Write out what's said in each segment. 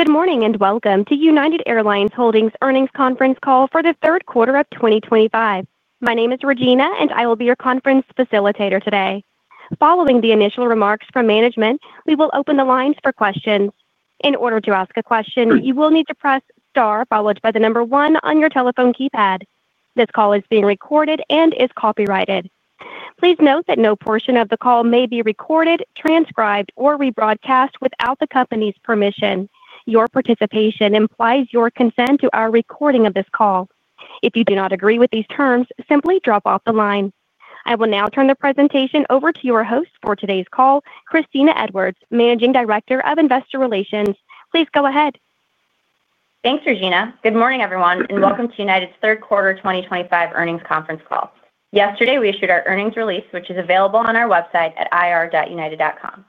Good morning and welcome to United Airlines Holdings' Earnings Conference Call for the third quarter of 2025. My name is Regina, and I will be your conference facilitator today. Following the initial remarks from management, we will open the lines for questions. In order to ask a question, you will need to press star followed by the number 1 on your telephone keypad. This call is being recorded and is copyrighted. Please note that no portion of the call may be recorded, transcribed, or rebroadcast without the company's permission. Your participation implies your consent to our recording of this call. If you do not agree with these terms, simply drop off the line. I will now turn the presentation over to your host for today's call, Kristina Edwards, Managing Director of Investor Relations. Please go ahead. Thanks, Regina. Good morning, everyone, and welcome to United's Third Quarter 2025 Earnings Conference Call. Yesterday, we issued our earnings release, which is available on our website at ir.united.com.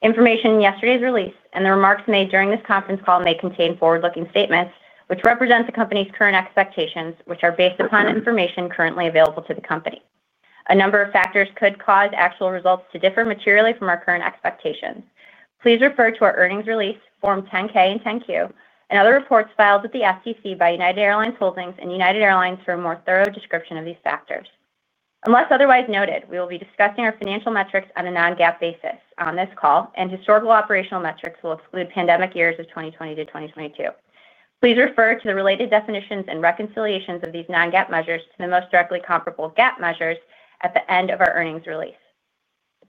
Information in yesterday's release and the remarks made during this conference call may contain forward-looking statements, which represent the company's current expectations, which are based upon information currently available to the company. A number of factors could cause actual results to differ materially from our current expectations. Please refer to our earnings release, Form 10-K and 10-Q, and other reports filed with the SEC by United Airlines Holdings and United Airlines for a more thorough description of these factors. Unless otherwise noted, we will be discussing our financial metrics on a non-GAAP basis on this call, and historical operational metrics will exclude pandemic years of 2020 to 2022. Please refer to the related definitions and reconciliations of these non-GAAP measures to the most directly comparable GAAP measures at the end of our earnings release.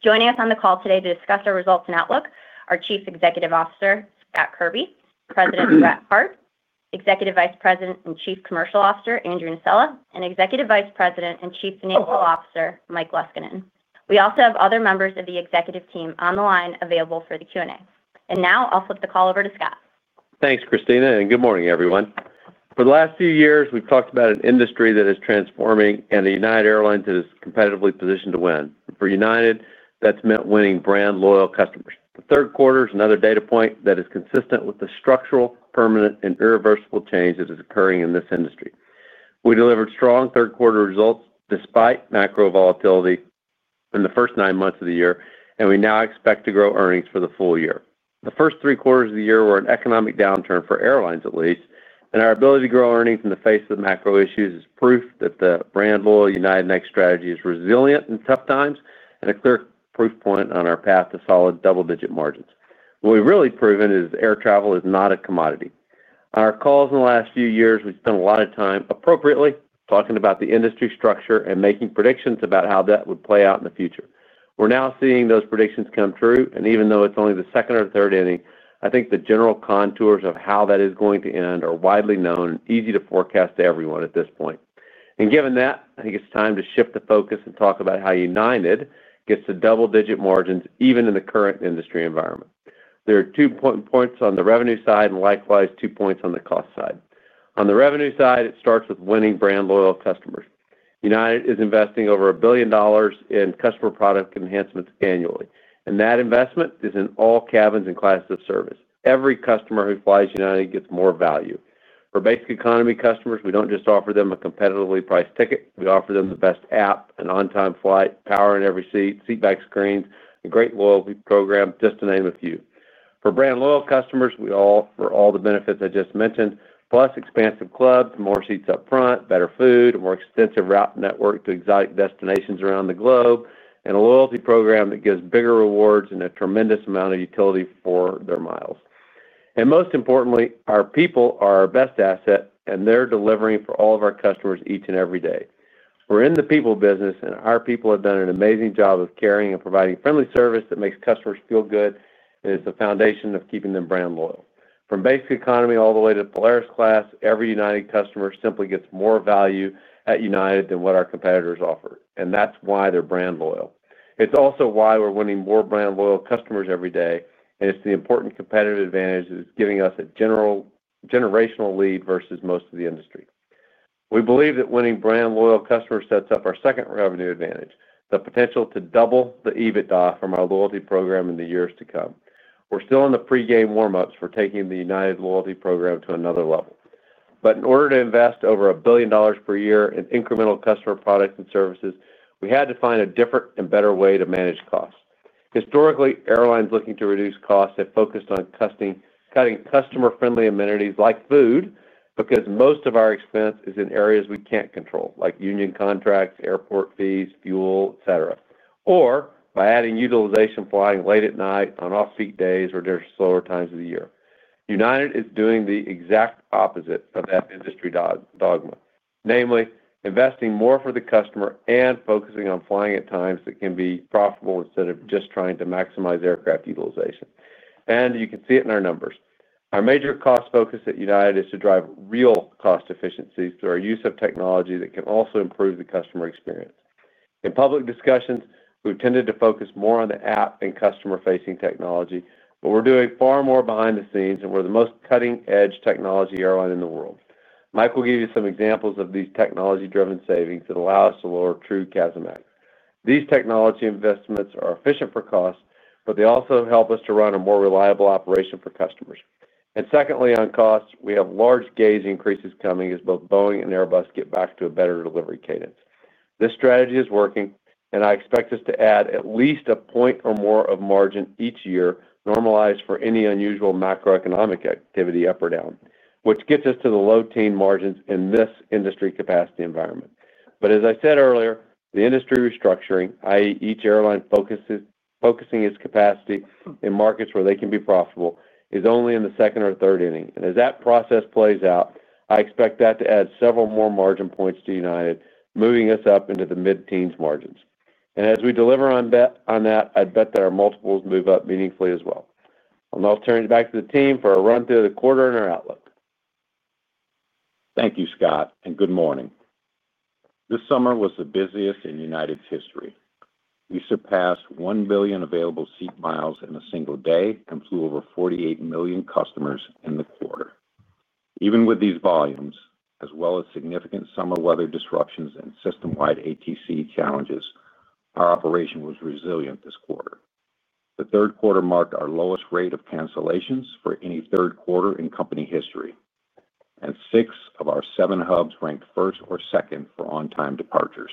Joining us on the call today to discuss our results and outlook are Chief Executive Officer Scott Kirby, President Brett Hart, Executive Vice President and Chief Commercial Officer Andrew Nocella, and Executive Vice President and Chief Financial Officer Mike Leskinen. We also have other members of the executive team on the line available for the Q&A. Now, I'll flip the call over to Scott. Thanks, Kristina, and good morning, everyone. For the last few years, we've talked about an industry that is transforming and a United Airlines that is competitively positioned to win. For United, that's meant winning brand-loyal customers. The third quarter is another data point that is consistent with the structural, permanent, and irreversible change that is occurring in this industry. We delivered strong third-quarter results despite macro volatility in the first nine months of the year, and we now expect to grow earnings for the full year. The first three quarters of the year were an economic downturn for airlines, at least, and our ability to grow earnings in the face of macro issues is proof that the brand-loyal United Next strategy is resilient in tough times and a clear proof point on our path to solid double-digit margins. What we've really proven is air travel is not a commodity. On our calls in the last few years, we spent a lot of time appropriately talking about the industry structure and making predictions about how that would play out in the future. We're now seeing those predictions come true, and even though it's only the second or third inning, I think the general contours of how that is going to end are widely known and easy to forecast to everyone at this point. Given that, I think it's time to shift the focus and talk about how United gets to double-digit margins even in the current industry environment. There are two important points on the revenue side and likewise two points on the cost side. On the revenue side, it starts with winning brand-loyal customers. United is investing over $1 billion in customer product enhancements annually, and that investment is in all cabins and classes of service. Every customer who flies United gets more value. For basic economy customers, we don't just offer them a competitively priced ticket. We offer them the best app, an on-time flight, power in every seat, seatback screens, a great loyalty program, just to name a few. For brand-loyal customers, we offer all the benefits I just mentioned, plus expansive clubs, more seats up front, better food, a more extensive route network to exotic destinations around the globe, and a loyalty program that gives bigger rewards and a tremendous amount of utility for their miles. Most importantly, our people are our best asset, and they're delivering for all of our customers each and every day. We're in the people business, and our people have done an amazing job of caring and providing friendly service that makes customers feel good and is the foundation of keeping them brand loyal. From basic economy all the way to Polaris class, every United customer simply gets more value at United than what our competitors offer, and that's why they're brand loyal. It's also why we're winning more brand-loyal customers every day, and it's the important competitive advantage that is giving us a generational lead versus most of the industry. We believe that winning brand-loyal customers sets up our second revenue advantage, the potential to double the EBITDA from our loyalty program in the years to come. We're still in the pre-game warmups for taking the United loyalty program to another level. In order to invest over $1 billion per year in incremental customer products and services, we had to find a different and better way to manage costs. Historically, airlines looking to reduce costs have focused on cutting customer-friendly amenities like food because most of our expense is in areas we can't control, like union contracts, airport fees, fuel, etc., or by adding utilization flying late at night on off-seat days or during slower times of the year. United is doing the exact opposite of that industry dogma, namely investing more for the customer and focusing on flying at times that can be profitable instead of just trying to maximize aircraft utilization. You can see it in our numbers. Our major cost focus at United is to drive real cost efficiencies through our use of technology that can also improve the customer experience. In public discussions, we've tended to focus more on the app and customer-facing technology, but we're doing far more behind the scenes, and we're the most cutting-edge technology airline in the world. Mike will give you some examples of these technology-driven savings that allow us to lower true CASM. These technology investments are efficient for cost, but they also help us to run a more reliable operation for customers. Secondly, on cost, we have large gauge increases coming as both Boeing and Airbus get back to a better delivery cadence. This strategy is working, and I expect us to add at least a point or more of margin each year, normalized for any unusual macroeconomic activity up or down, which gets us to the low-teens margins in this industry capacity environment. As I said earlier, the industry restructuring, i.e., each airline focusing its capacity in markets where they can be profitable, is only in the second or third inning. As that process plays out, I expect that to add several more margin points to United, moving us up into the mid-teens margins. As we deliver on that, I bet that our multiples move up meaningfully as well. I'll now turn it back to the team for a run-through of the quarter and our outlook. Thank you, Scott, and good morning. This summer was the busiest in United's history. We surpassed 1 billion available seat miles in a single day and flew over 48 million customers in the quarter. Even with these volumes, as well as significant summer weather disruptions and system-wide ATC challenges, our operation was resilient this quarter. The third quarter marked our lowest rate of cancellations for any third quarter in company history, and six of our seven hubs ranked first or second for on-time departures.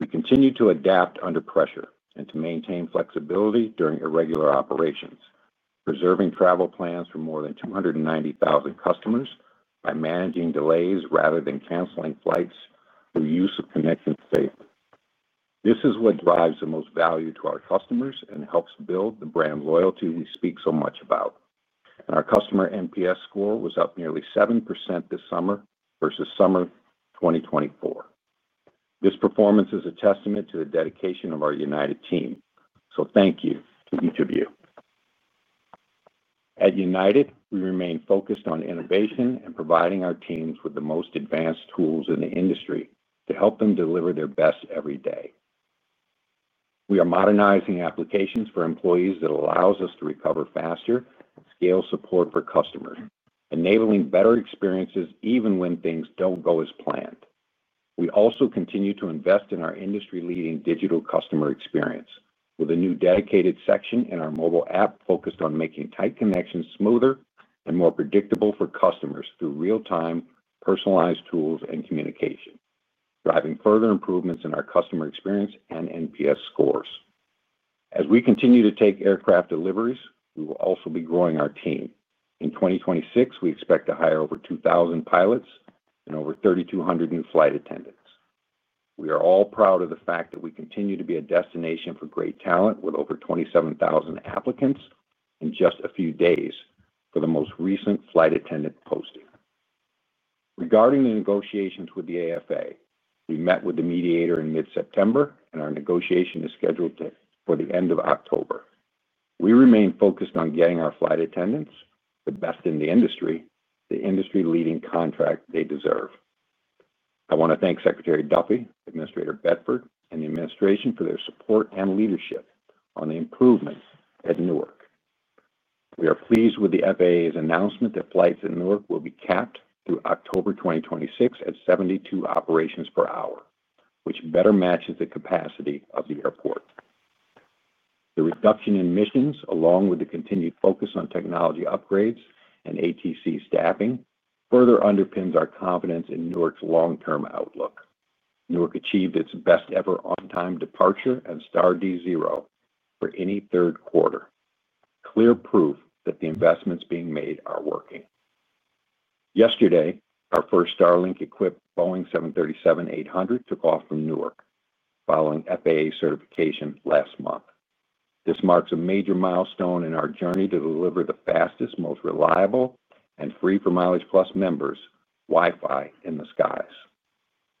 We continue to adapt under pressure and to maintain flexibility during irregular operations, preserving travel plans for more than 290,000 customers by managing delays rather than canceling flights or use of connecting states. This is what drives the most value to our customers and helps build the brand loyalty we speak so much about. Our customer NPS score was up nearly 7% this summer versus summer 2023. This performance is a testament to the dedication of our United team. Thank you to each of you. At United, we remain focused on innovation and providing our teams with the most advanced tools in the industry to help them deliver their best every day. We are modernizing applications for employees that allow us to recover faster and scale support for customers, enabling better experiences even when things don't go as planned. We also continue to invest in our industry-leading digital customer experience with a new dedicated section in our mobile app focused on making tight connections smoother and more predictable for customers through real-time personalized tools and communication, driving further improvements in our customer experience and NPS scores. As we continue to take aircraft deliveries, we will also be growing our team. In 2026, we expect to hire over 2,000 pilots and over 3,200 new flight attendants. We are all proud of the fact that we continue to be a destination for great talent with over 27,000 applicants in just a few days for the most recent flight attendant posting. Regarding the negotiations with the AFA, we met with the mediator in mid-September, and our negotiation is scheduled for the end of October. We remain focused on getting our flight attendants, the best in the industry, the industry-leading contract they deserve. I want to thank Secretary Duffy, Administrator Bedford, and the administration for their support and leadership on the improvements at Newark. We are pleased with the FAA's announcement that flights at Newark will be capped through October 2026 at 72 operations per hour, which better matches the capacity of the airport. The reduction in missions, along with the continued focus on technology upgrades and ATC staffing, further underpins our confidence in Newark's long-term outlook. Newark achieved its best-ever on-time departure and star D0 for any third quarter, clear proof that the investments being made are working. Yesterday, our first Starlink-equipped Boeing 737-800 took off from Newark following FAA certification last month. This marks a major milestone in our journey to deliver the fastest, most reliable, and free for MileagePlus members Wi-Fi in the skies.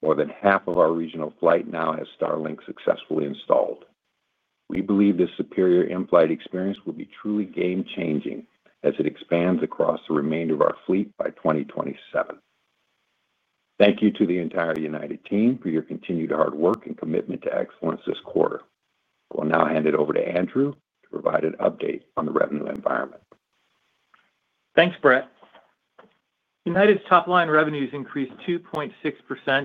More than half of our regional flight now has Starlink successfully installed. We believe this superior in-flight experience will be truly game-changing as it expands across the remainder of our fleet by 2027. Thank you to the entire United team for your continued hard work and commitment to excellence this quarter. I will now hand it over to Andrew to provide an update on the revenue environment. Thanks, Brett. United's top-line revenues increased 2.6%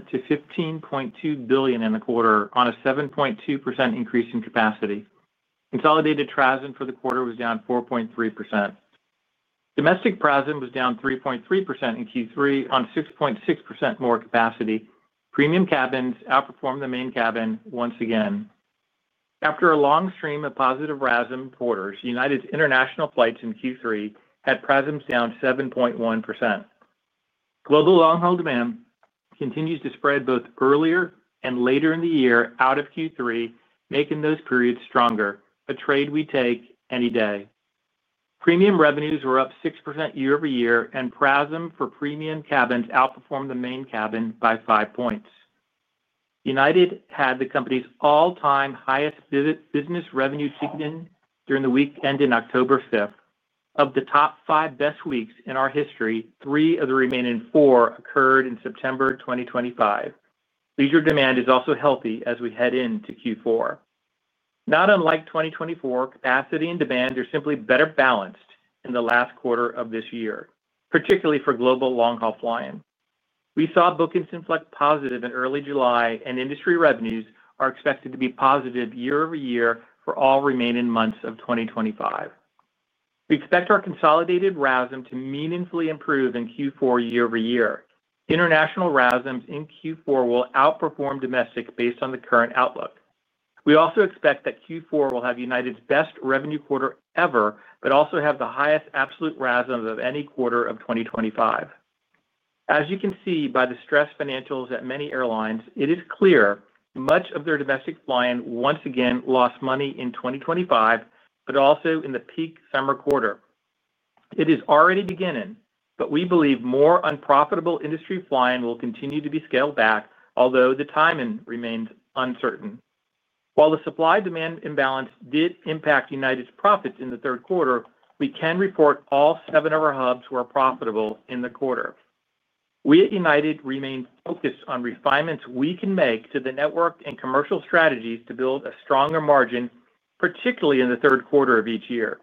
to $15.2 billion in the quarter on a 7.2% increase in capacity. Consolidated TRASM for the quarter was down 4.3%. Domestic TRASM was down 3.3% in Q3 on 6.6% more capacity. Premium cabins outperformed the main cabin once again. After a long stream of positive TRASM quarters, United's international flights in Q3 had TRASMs down 7.1%. Global long-haul demand continues to spread both earlier and later in the year out of Q3, making those periods stronger, a trade we take any day. Premium revenues were up 6% year-over-year, and TRASM for premium cabins outperformed the main cabin by five points. United had the company's all-time highest business revenue ticketing during the week ending October 5th. Of the top five best weeks in our history, three of the remaining four occurred in September 2025. Leisure demand is also healthy as we head into Q4. Not unlike 2024, capacity and demand are simply better balanced in the last quarter of this year, particularly for global long-haul flying. We saw bookings inflect positive in early July, and industry revenues are expected to be positive year-over-year for all remaining months of 2025. We expect our consolidated TRASM to meaningfully improve in Q4 year-over-year. International TRASMs in Q4 will outperform domestic based on the current outlook. We also expect that Q4 will have United's best revenue quarter ever, but also have the highest absolute TRASM of any quarter of 2025. As you can see by the stress financials at many airlines, it is clear much of their domestic flying once again lost money in 2025, but also in the peak summer quarter. It is already beginning, but we believe more unprofitable industry flying will continue to be scaled back, although the timing remains uncertain. While the supply-demand imbalance did impact United's profits in the third quarter, we can report all seven of our hubs were profitable in the quarter. We at United remain focused on refinements we can make to the network and commercial strategies to build a stronger margin, particularly in the third quarter of each year.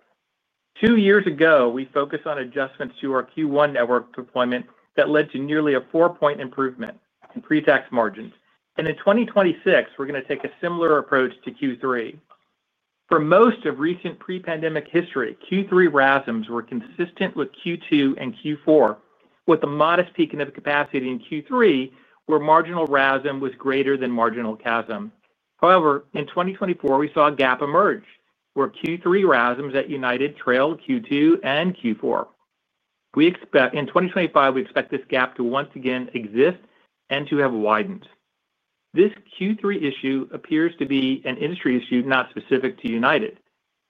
Two years ago, we focused on adjustments to our Q1 network deployment that led to nearly a four-point improvement in pre-tax margins. In 2026, we're going to take a similar approach to Q3. For most of recent pre-pandemic history, Q3 TRASM were consistent with Q2 and Q4, with the modest peak in capacity in Q3 where marginal TRASM was greater than marginal CASM. However, in 2024, we saw a gap emerge where Q3 TRAMS at United trailed Q2 and Q4. In 2025, we expect this gap to once again exist and to have widened. This Q3 issue appears to be an industry issue not specific to United.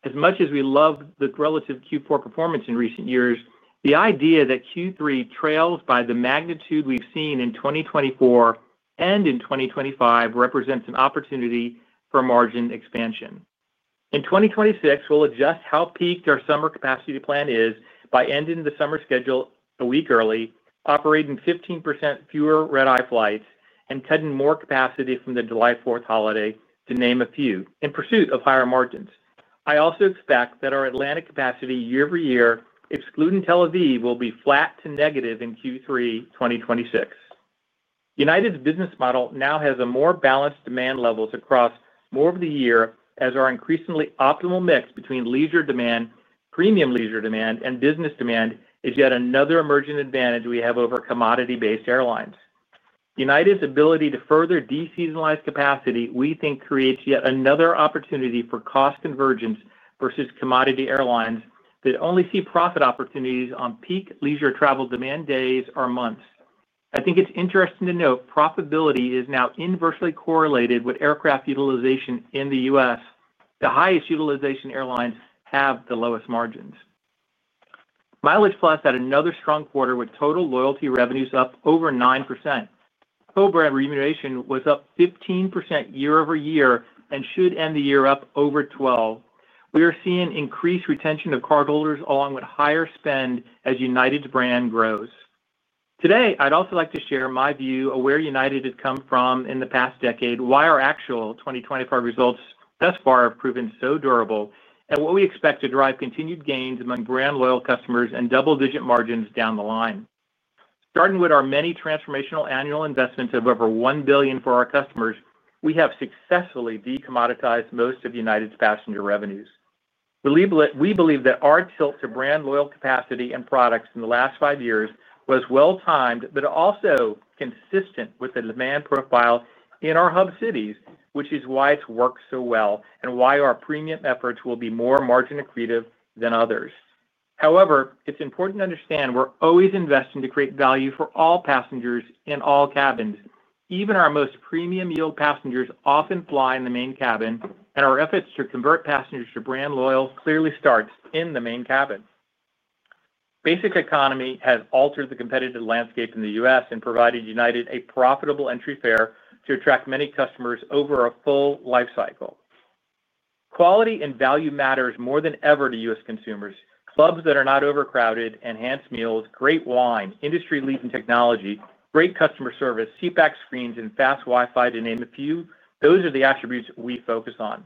As much as we love the relative Q4 performance in recent years, the idea that Q3 trails by the magnitude we've seen in 2024 and in 2025 represents an opportunity for margin expansion. In 2026, we'll adjust how peaked our summer capacity plan is by ending the summer schedule a week early, operating 15% fewer red-eye flights, and cutting more capacity from the July 4th holiday, to name a few, in pursuit of higher margins. I also expect that our Atlantic capacity year-over-year, excluding Tel Aviv, will be flat to negative in Q3 2026. United's business model now has more balanced demand levels across more of the year as our increasingly optimal mix between leisure demand, premium leisure demand, and business demand is yet another emerging advantage we have over commodity-based airlines. United's ability to further de-seasonalize capacity, we think, creates yet another opportunity for cost convergence versus commodity airlines that only see profit opportunities on peak leisure travel demand days or months. I think it's interesting to note profitability is now inversely correlated with aircraft utilization in the U.S. The highest utilization airlines have the lowest margins. MileagePlus had another strong quarter with total loyalty revenues up over 9%. Co-brand remuneration was up 15% year-over-year and should end the year up over 12%. We are seeing increased retention of cardholders along with higher spend as United's brand grows. Today, I'd also like to share my view of where United had come from in the past decade, why our actual 2025 results thus far have proven so durable, and what we expect to drive continued gains among brand-loyal customers and double-digit margins down the line. Starting with our many transformational annual investments of over $1 billion for our customers, we have successfully de-commoditized most of United's passenger revenues. We believe that our tilt to brand-loyal capacity and products in the last five years was well-timed, but also consistent with the demand profiles in our hub cities, which is why it's worked so well and why our premium efforts will be more margin accretive than others. However, it's important to understand we're always investing to create value for all passengers in all cabins. Even our most premium-yield passengers often fly in the main cabin, and our efforts to convert passengers to brand loyal clearly start in the main cabin. Basic economy has altered the competitive landscape in the U.S. and provided United a profitable entry fare to attract many customers over a full life cycle. Quality and value matter more than ever to U.S. consumers. Clubs that are not overcrowded, enhanced meals, great wine, industry-leading technology, great customer service, seatback screens, and fast Wi-Fi, to name a few, those are the attributes we focus on.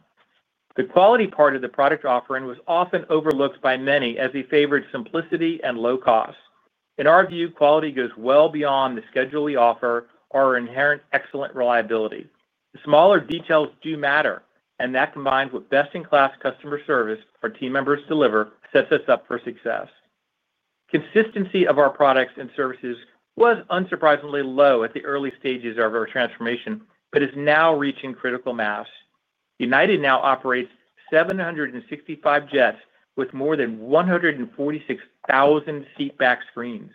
The quality part of the product offering was often overlooked by many as they favored simplicity and low cost. In our view, quality goes well beyond the schedule we offer or our inherent excellent reliability. The smaller details do matter, and that combined with best-in-class customer service our team members deliver sets us up for success. Consistency of our products and services was unsurprisingly low at the early stages of our transformation, but is now reaching critical mass. United now operates 765 jets with more than 146,000 seatback screens.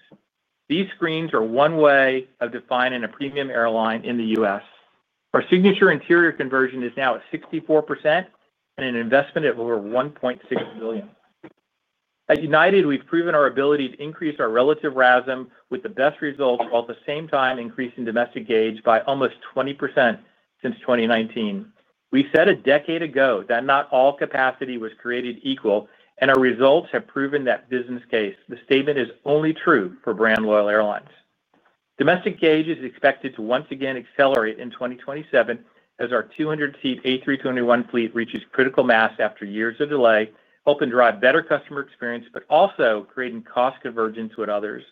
These screens are one way of defining a premium airline in the U.S. Our signature interior conversion is now at 64% and an investment of over $1.6 billion. At United, we've proven our ability to increase our relative Trazim with the best results while at the same time increasing domestic gauge by almost 20% since 2019. We said a decade ago that not all capacity was created equal, and our results have proven that business case. The statement is only true for brand-loyal airlines. Domestic gauge is expected to once again accelerate in 2027 as our 200-seat A321 fleet reaches critical mass after years of delay, helping drive better customer experience but also creating cost convergence with others.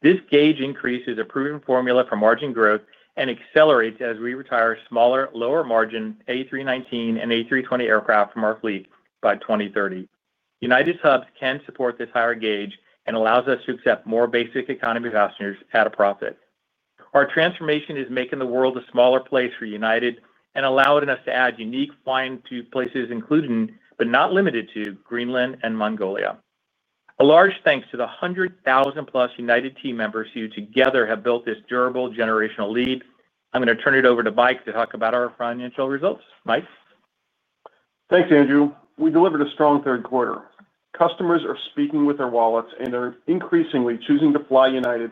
This gauge increase is a proven formula for margin growth and accelerates as we retire smaller, lower margin A319 and A320 aircraft from our fleet by 2030. United's hubs can support this higher gauge and allow us to accept more basic economy passengers at a profit. Our transformation is making the world a smaller place for United and allowing us to add unique flying to places including, but not limited to, Greenland and Mongolia. A large thanks to the 100,000-plus United team members who together have built this durable generational lead. I'm going to turn it over to Mike to talk about our financial results. Mike. Thanks, Andrew. We delivered a strong third quarter. Customers are speaking with their wallets and are increasingly choosing to fly United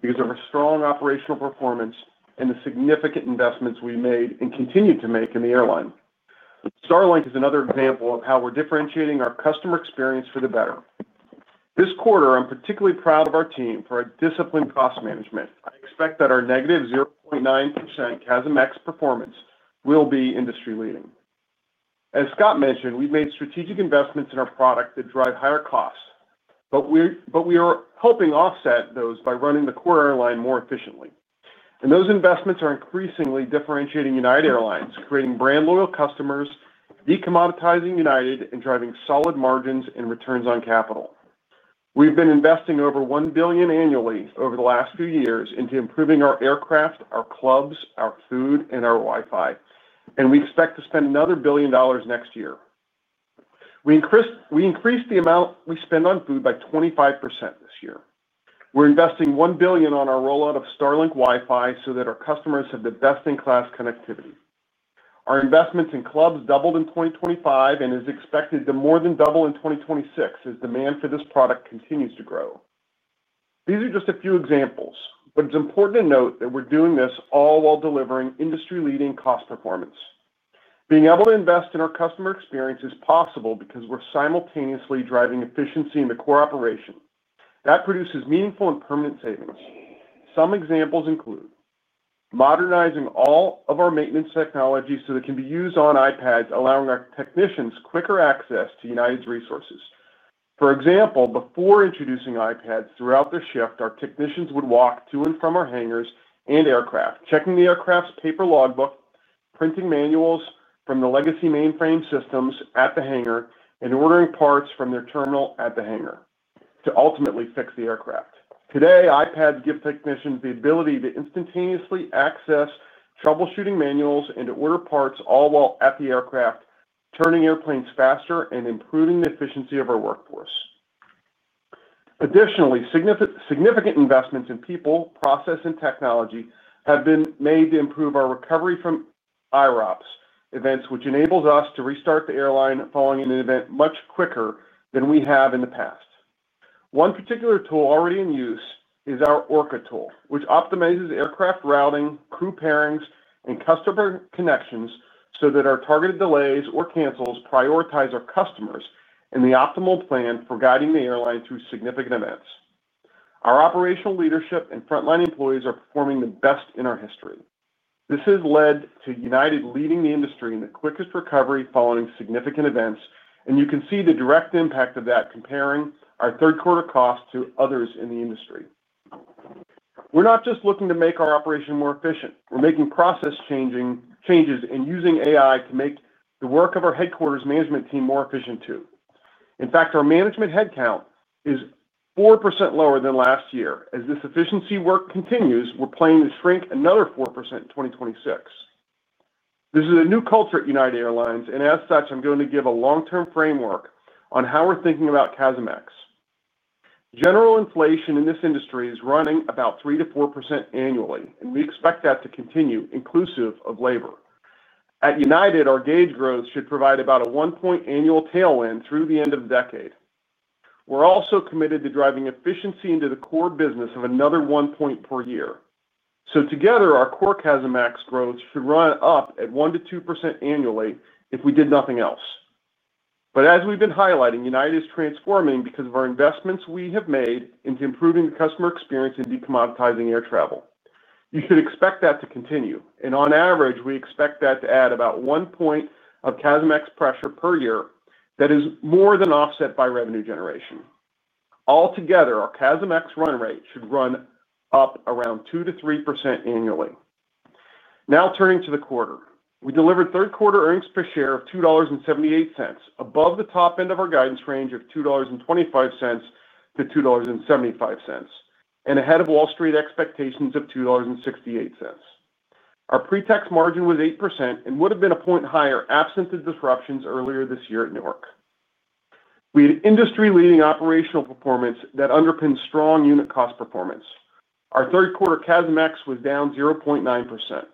because of our strong operational performance and the significant investments we made and continue to make in the airline. Starlink is another example of how we're differentiating our customer experience for the better. This quarter, I'm particularly proud of our team for our disciplined cost management. I expect that our negative 0.9% CASM-X performance will be industry-leading. As Scott mentioned, we've made strategic investments in our product that drive higher costs, but we are helping offset those by running the core airline more efficiently. Those investments are increasingly differentiating United Airlines, creating brand-loyal customers, de-commoditizing United, and driving solid margins and returns on capital. We've been investing over $1 billion annually over the last few years into improving our aircraft, our clubs, our food, and our Wi-Fi, and we expect to spend another $1 billion next year. We increased the amount we spend on food by 25% this year. We're investing $1 billion on our rollout of Starlink Wi-Fi so that our customers have the best-in-class connectivity. Our investments in clubs doubled in 2025 and is expected to more than double in 2026 as demand for this product continues to grow. These are just a few examples, but it's important to note that we're doing this all while delivering industry-leading cost performance. Being able to invest in our customer experience is possible because we're simultaneously driving efficiency in the core operation. That produces meaningful and permanent savings. Some examples include modernizing all of our maintenance technologies so they can be used on iPads, allowing our technicians quicker access to United's resources. For example, before introducing iPads throughout their shift, our technicians would walk to and from our hangars and aircraft, checking the aircraft's paper logbook, printing manuals from the legacy mainframe systems at the hangar, and ordering parts from their terminal at the hangar to ultimately fix the aircraft. Today, iPads give technicians the ability to instantaneously access troubleshooting manuals and to order parts all while at the aircraft, turning airplanes faster and improving the efficiency of our workforce. Additionally, significant investments in people, process, and technology have been made to improve our recovery from IROPS events, which enable us to restart the airline following an event much quicker than we have in the past. One particular tool already in use is our Orca tool, which optimizes aircraft routing, crew pairings, and customer connections so that our targeted delays or cancels prioritize our customers in the optimal plan for guiding the airline through significant events. Our operational leadership and frontline employees are performing the best in our history. This has led to United leading the industry in the quickest recovery following significant events, and you can see the direct impact of that comparing our third-quarter cost to others in the industry. We're not just looking to make our operation more efficient. We're making process changes and using AI to make the work of our headquarters management team more efficient too. In fact, our management headcount is 4% lower than last year. As this efficiency work continues, we're planning to shrink another 4% in 2026. This is a new culture at United Airlines, and as such, I'm going to give a long-term framework on how we're thinking about CASM-X. General inflation in this industry is running about 3%-4% annually, and we expect that to continue inclusive of labor. At United, our gauge growth should provide about a one-point annual tailwind through the end of the decade. We're also committed to driving efficiency into the core business of another one point per year. Together, our core CASM-X growth should run up at 1%-2% annually if we did nothing else. As we've been highlighting, United is transforming because of our investments we have made into improving the customer experience and de-commoditizing air travel. You should expect that to continue. On average, we expect that to add about one point of CASM-X pressure per year that is more than offset by revenue generation. Altogether, our CASM-X run rate should run up around 2%-3% annually. Now turning to the quarter, we delivered third-quarter earnings per share of $2.78 above the top end of our guidance range of $2.25-$2.75 and ahead of Wall Street expectations of $2.68. Our pre-tax margin was 8% and would have been a point higher absent the disruptions earlier this year at Newark. We had industry-leading operational performance that underpins strong unit cost performance. Our third-quarter CASM-X was down 0.9%.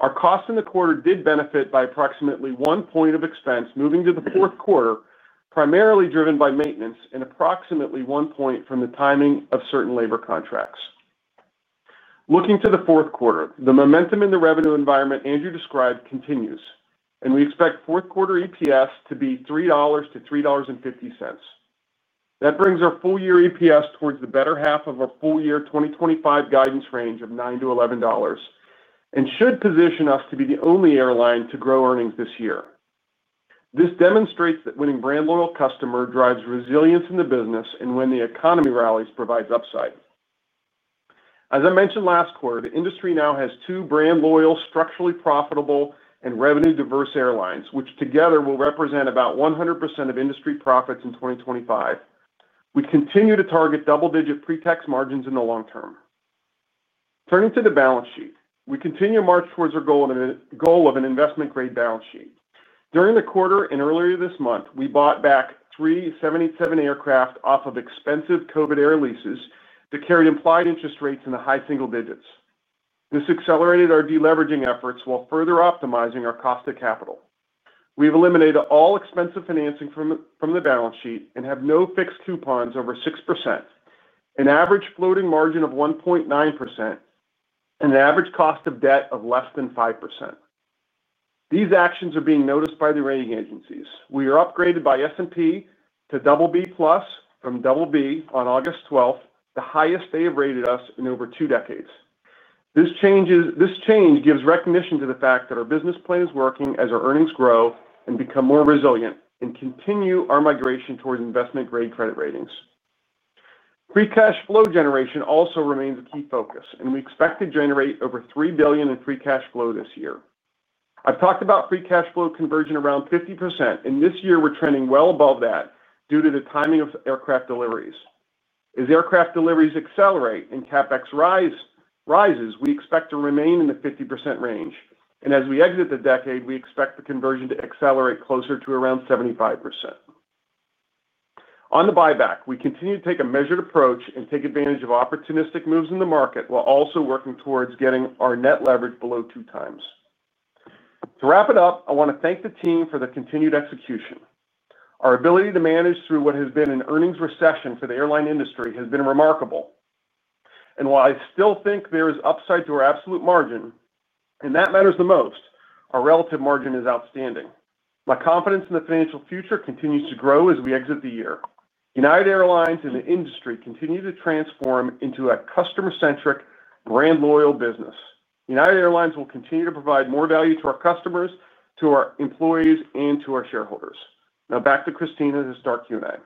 Our cost in the quarter did benefit by approximately 1 point of expense moving to the fourth quarter, primarily driven by maintenance and approximately 1 point from the timing of certain labor contracts. Looking to the fourth quarter, the momentum in the revenue environment Andrew described continues, and we expect fourth-quarter EPS to be $3-$3.50. That brings our full-year EPS towards the better half of our full-year 2025 guidance range of $9-$11 and should position us to be the only airline to grow earnings this year. This demonstrates that winning brand-loyal customers drives resilience in the business, and when the economy rallies, provides upside. As I mentioned last quarter, the industry now has two brand-loyal, structurally profitable, and revenue-diverse airlines, which together will represent about 100% of industry profits in 2025. We continue to target double-digit pre-tax margins in the long term. Turning to the balance sheet, we continue to march towards our goal of an investment-grade balance sheet. During the quarter and earlier this month, we bought back 377 aircraft off of expensive COVID air leases that carried implied interest rates in the high single digits. This accelerated our deleveraging efforts while further optimizing our cost of capital. We've eliminated all expensive financing from the balance sheet and have no fixed coupons over 6%, an average floating margin of 1.9%, and an average cost of debt of less than 5%. These actions are being noticed by the rating agencies. We were upgraded by S&P to BB+ from BB on August 12th, the highest they have rated us in over two decades. This change gives recognition to the fact that our business plan is working as our earnings grow and become more resilient and continue our migration towards investment-grade credit ratings. Free cash flow generation also remains a key focus, and we expect to generate over $3 billion in free cash flow this year. I've talked about free cash flow converging around 50%, and this year we're trending well above that due to the timing of aircraft deliveries. As aircraft deliveries accelerate and CapEx rises, we expect to remain in the 50% range. As we exit the decade, we expect the conversion to accelerate closer to around 75%. On the buyback, we continue to take a measured approach and take advantage of opportunistic moves in the market while also working towards getting our net leverage below two times. To wrap it up, I want to thank the team for the continued execution. Our ability to manage through what has been an earnings recession for the airline industry has been remarkable. While I still think there is upside to our absolute margin, and that matters the most, our relative margin is outstanding. My confidence in the financial future continues to grow as we exit the year. United Airlines and the industry continue to transform into a customer-centric, brand-loyal business. United Airlines will continue to provide more value to our customers, to our employees, and to our shareholders. Now back to Kristina to start Q&A.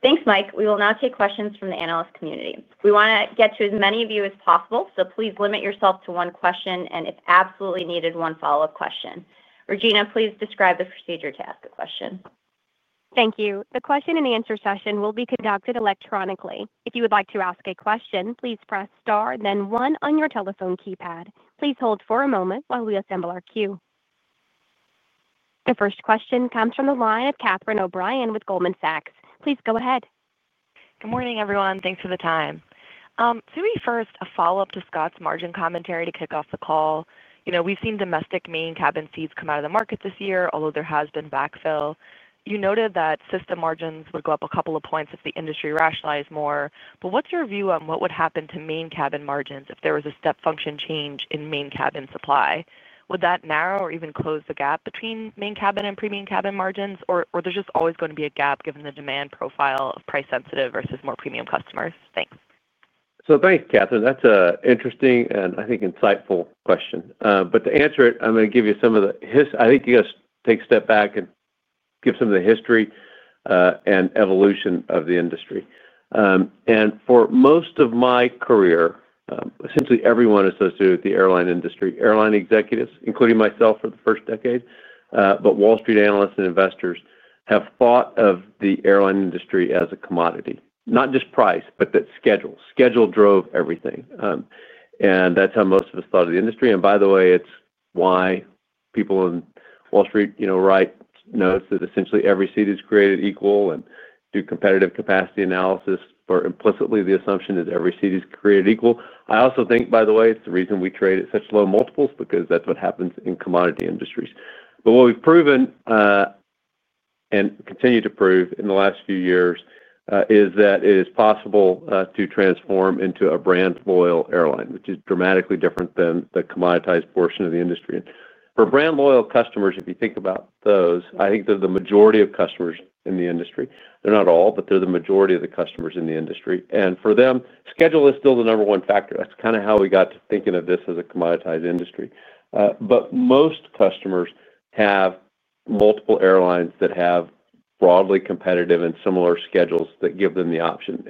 Thanks, Mike. We will now take questions from the analyst community. We want to get to as many of you as possible, so please limit yourself to one question and, if absolutely needed, one follow-up question. Regina, please describe the procedure to ask a question. Thank you. The question and answer session will be conducted electronically. If you would like to ask a question, please press star, then one on your telephone keypad. Please hold for a moment while we assemble our queue. The first question comes from the line of Catherine O'Brien with Goldman Sachs. Please go ahead. Good morning, everyone. Thanks for the time. To be first, a follow-up to Scott's margin commentary to kick off the call. We've seen domestic main cabin seats come out of the market this year, although there has been backfill. You noted that system margins would go up a couple of points if the industry rationalized more. What's your view on what would happen to main cabin margins if there was a step function change in main cabin supply? Would that narrow or even close the gap between main cabin and premium cabin margins, or is there just always going to be a gap given the demand profile of price-sensitive versus more premium customers? Thanks. Thanks, Catherine. That's an interesting and I think insightful question. To answer it, I'm going to give you some of the history. I think you got to take a step back and give some of the history and evolution of the industry. For most of my career, essentially everyone associated with the airline industry, airline executives, including myself for the first decade, Wall Street analysts, and investors have thought of the airline industry as a commodity, not just price, but that schedule. Schedule drove everything, and that's how most of us thought of the industry. By the way, it's why people in Wall Street write notes that essentially every seat is created equal and do competitive capacity analysis for implicitly the assumption that every seat is created equal. I also think, by the way, it's the reason we trade at such low multiples because that's what happens in commodity industries. What we've proven, and continue to prove in the last few years, is that it is possible to transform into a brand-loyal airline, which is dramatically different than the commoditized portion of the industry. For brand-loyal customers, if you think about those, I think they're the majority of customers in the industry. They're not all, but they're the majority of the customers in the industry. For them, schedule is still the number one factor. That's kind of how we got to thinking of this as a commoditized industry, but most customers have multiple airlines that have broadly competitive and similar schedules that give them the option.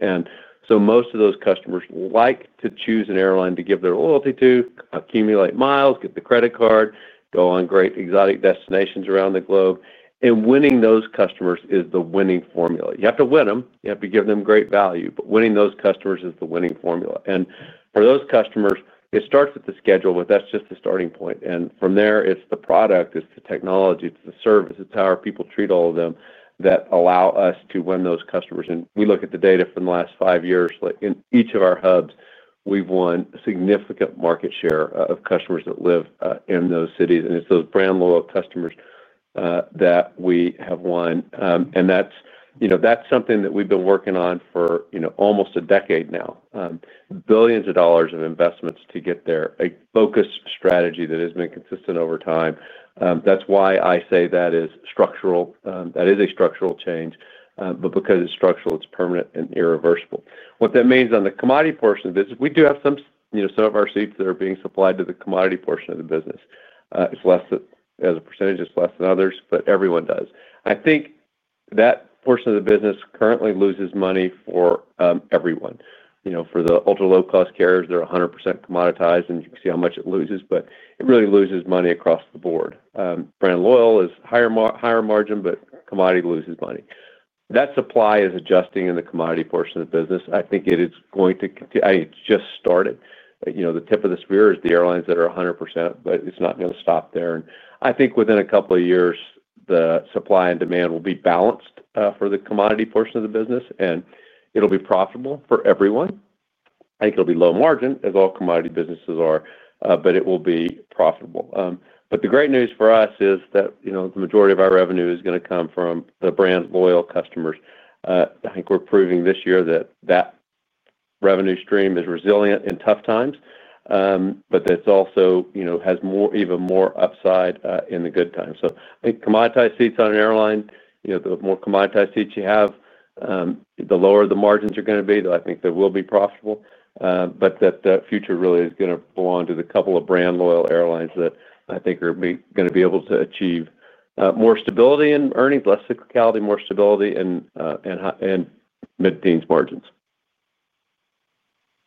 Most of those customers like to choose an airline to give their loyalty to, accumulate miles, get the credit card, go on great exotic destinations around the globe. Winning those customers is the winning formula. You have to win them. You have to give them great value, but winning those customers is the winning formula. For those customers, it starts with the schedule, but that's just the starting point. From there, it's the product, it's the technology, it's the service, it's how our people treat all of them that allow us to win those customers. We look at the data from the last five years. In each of our hubs, we've won significant market share of customers that live in those cities. It's those brand-loyal customers that we have won, and that's something that we've been working on for almost a decade now. Billions of dollars of investments to get there, a focused strategy that has been consistent over time. That's why I say that is structural. That is a structural change. Because it's structural, it's permanent and irreversible. What that means on the commodity portion of this is we do have some, you know, some of our seats that are being supplied to the commodity portion of the business. It's less than, as a percentage, it's less than others, but everyone does. I think that portion of the business currently loses money for everyone. For the ultra-low-cost carriers, they're 100% commoditized, and you can see how much it loses, but it really loses money across the board. Brand-loyal is higher margin, but commodity loses money. That supply is adjusting in the commodity portion of the business. I think it is going to continue. It just started. The tip of the spear is the airlines that are 100%, but it's not going to stop there. I think within a couple of years, the supply and demand will be balanced for the commodity portion of the business, and it'll be profitable for everyone. I think it'll be low margin, as all commodity businesses are, but it will be profitable. The great news for us is that the majority of our revenue is going to come from the brand-loyal customers. I think we're proving this year that that revenue stream is resilient in tough times, but that it also has even more upside in the good times. I think commoditized seats on an airline, the more commoditized seats you have, the lower the margins are going to be, though I think they will be profitable. The future really is going to belong to the couple of brand-loyal airlines that I think are going to be able to achieve more stability in earnings, less cyclicality, more stability, and high and mid-teens margins.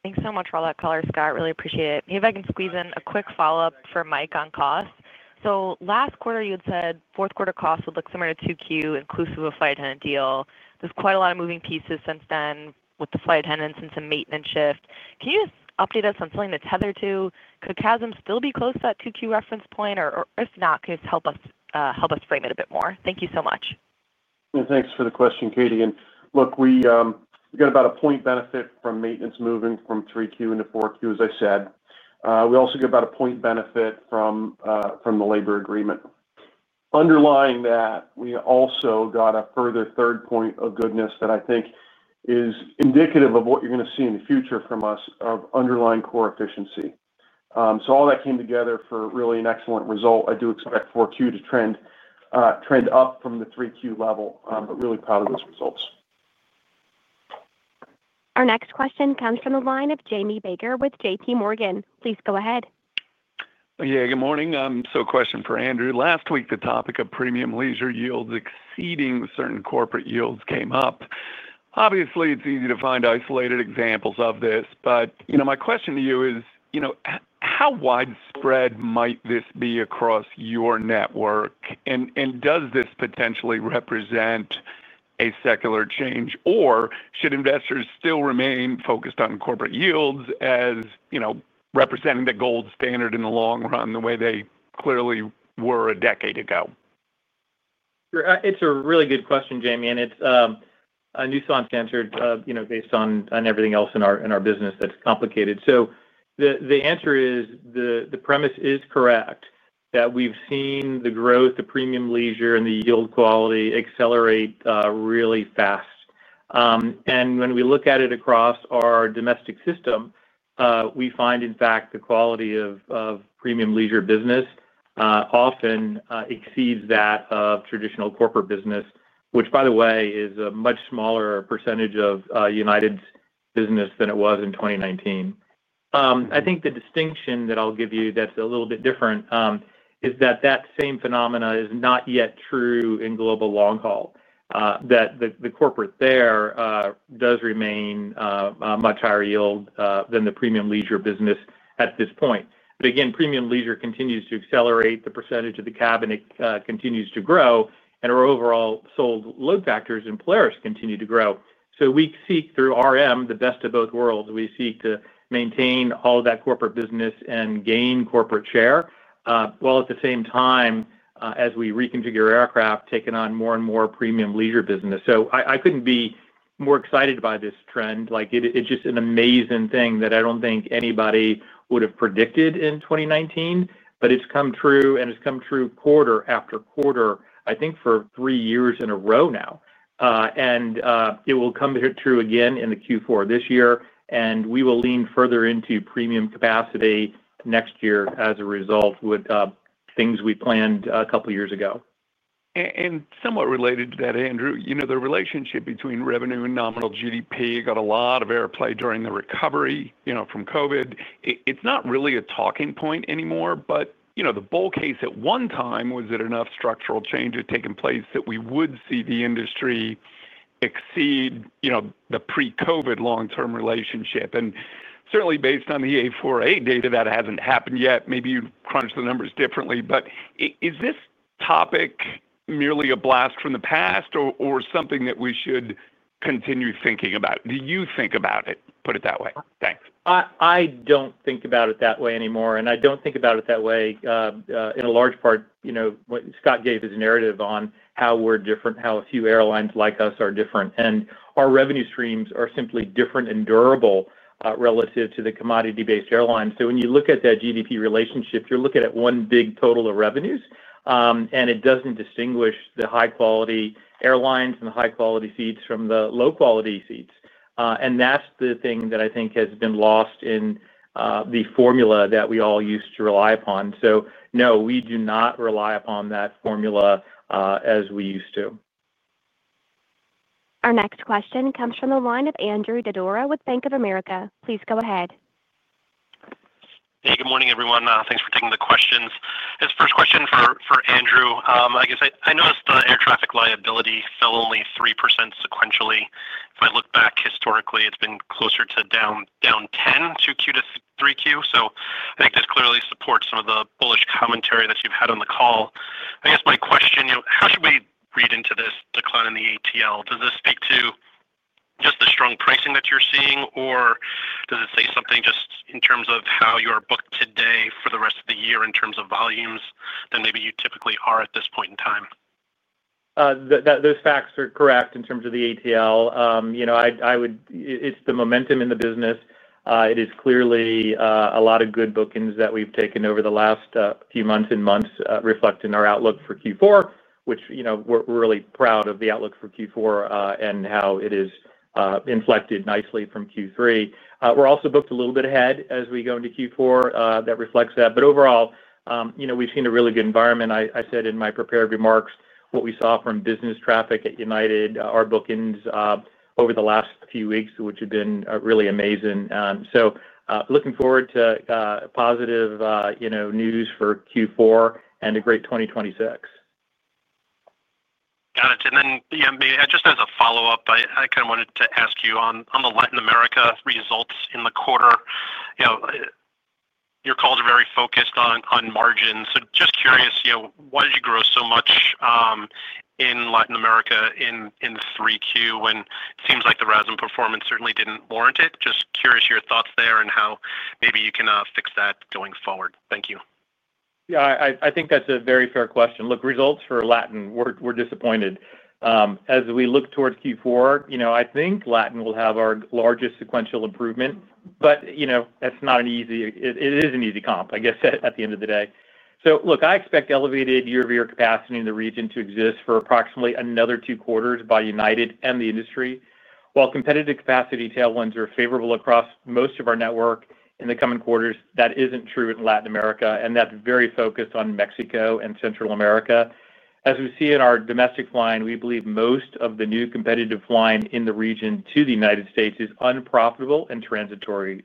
Thanks so much for all that color, Scott. I really appreciate it. Maybe I can squeeze in a quick follow-up for Mike on cost. Last quarter, you had said fourth-quarter cost would look similar to 2Q, inclusive of flight attendant deal. There's quite a lot of moving pieces since then with the flight attendants and some maintenance shifts. Can you just update us on something to tether to? Could CASM still be close to that 2Q reference point, or if not, can you just help us frame it a bit more? Thank you so much. Yeah, thanks for the question, Catie. Look, we got about a point benefit from maintenance moving from 3Q into 4Q, as I said. We also get about a point benefit from the labor agreement. Underlying that, we also got a further third point of goodness that I think is indicative of what you're going to see in the future from us of underlying core efficiency. All that came together for really an excellent result. I do expect 4Q to trend up from the 3Q level, but really proud of those results. Our next question comes from the line of Jamie Baker with JP Morgan. Please go ahead. Yeah, good morning. A question for Andrew. Last week, the topic of premium leisure yields exceeding certain corporate yields came up. Obviously, it's easy to find isolated examples of this, but my question to you is, you know, how widespread might this be across your network? Does this potentially represent a secular change, or should investors still remain focused on corporate yields as representing the gold standard in the long run the way they clearly were a decade ago? Sure. It's a really good question, Jamie, and it's a nuanced answer based on everything else in our business that's complicated. The answer is the premise is correct that we've seen the growth of premium leisure and the yield quality accelerate really fast. When we look at it across our domestic system, we find, in fact, the quality of premium leisure business often exceeds that of traditional corporate business, which, by the way, is a much smaller percentage of United Airlines' business than it was in 2019. I think the distinction that I'll give you that's a little bit different is that same phenomenon is not yet true in global long haul. The corporate there does remain much higher yield than the premium leisure business at this point. Premium leisure continues to accelerate, the percentage of the cabin continues to grow, and our overall sold load factors and players continue to grow. We seek through RM the best of both worlds. We seek to maintain all of that corporate business and gain corporate share, while at the same time, as we reconfigure aircraft, taking on more and more premium leisure business. I couldn't be more excited by this trend. It's just an amazing thing that I don't think anybody would have predicted in 2019, but it's come true, and it's come true quarter after quarter, I think for three years in a row now. It will come through again in the Q4 of this year, and we will lean further into premium capacity next year as a result with things we planned a couple of years ago. Somewhat related to that, Andrew, you know, the relationship between revenue and nominal GDP got a lot of airplay during the recovery from COVID. It's not really a talking point anymore. The bull case at one time was that enough structural changes were taking place that we would see the industry exceed the pre-COVID long-term relationship. Certainly, based on the A4A data, that hasn't happened yet. Maybe you crunch the numbers differently, but is this topic merely a blast from the past or something that we should continue thinking about? Do you think about it? Put it that way. Thanks. I don't think about it that way anymore, and I don't think about it that way, in a large part, you know, what Scott gave his narrative on how we're different, how a few airlines like us are different, and our revenue streams are simply different and durable, relative to the commodity-based airlines. When you look at that GDP relationship, you're looking at one big total of revenues, and it doesn't distinguish the high-quality airlines and the high-quality seats from the low-quality seats. That's the thing that I think has been lost in the formula that we all used to rely upon. No, we do not rely upon that formula, as we used to. Our next question comes from the line of Andrew Didora with Bank of America. Please go ahead. Hey, good morning, everyone. Thanks for taking the questions. This first question is for Andrew. I noticed the air traffic liability fell only 3% sequentially. If I look back historically, it's been closer to down 10% from Q2 to Q3. I think this clearly supports some of the bullish commentary that you've had on the call. My question is, how should we read into this decline in the ATL? Does this speak to just the strong pricing that you're seeing, or does it say something in terms of how you are booked today for the rest of the year in terms of volumes than maybe you typically are at this point in time? Those facts are correct in terms of the ATL. It's the momentum in the business. It is clearly a lot of good bookings that we've taken over the last few months reflecting our outlook for Q4, which we're really proud of, the outlook for Q4 and how it has inflected nicely from Q3. We're also booked a little bit ahead as we go into Q4. That reflects that. Overall, we've seen a really good environment. I said in my prepared remarks what we saw from business traffic at United, our bookings over the last few weeks, which have been really amazing. Looking forward to positive news for Q4 and a great 2026. Got it. Maybe just as a follow-up, I kind of wanted to ask you on the Latin America results in the quarter. Your calls are very focused on margins. Just curious, why did you grow so much in Latin America in the 3Q when it seems like the RASM performance certainly didn't warrant it? Just curious your thoughts there and how maybe you can fix that going forward. Thank you. Yeah, I think that's a very fair question. Look, results for Latin, we're disappointed. As we look towards Q4, I think Latin will have our largest sequential improvement. That's not an easy, it is an easy comp, I guess, at the end of the day. I expect elevated year-over-year capacity in the region to exist for approximately another two quarters by United and the industry. While competitive capacity tailwinds are favorable across most of our network in the coming quarters, that isn't true in Latin America, and that's very focused on Mexico and Central America. As we see in our domestic flying, we believe most of the new competitive flying in the region to the United States is unprofitable and transitory.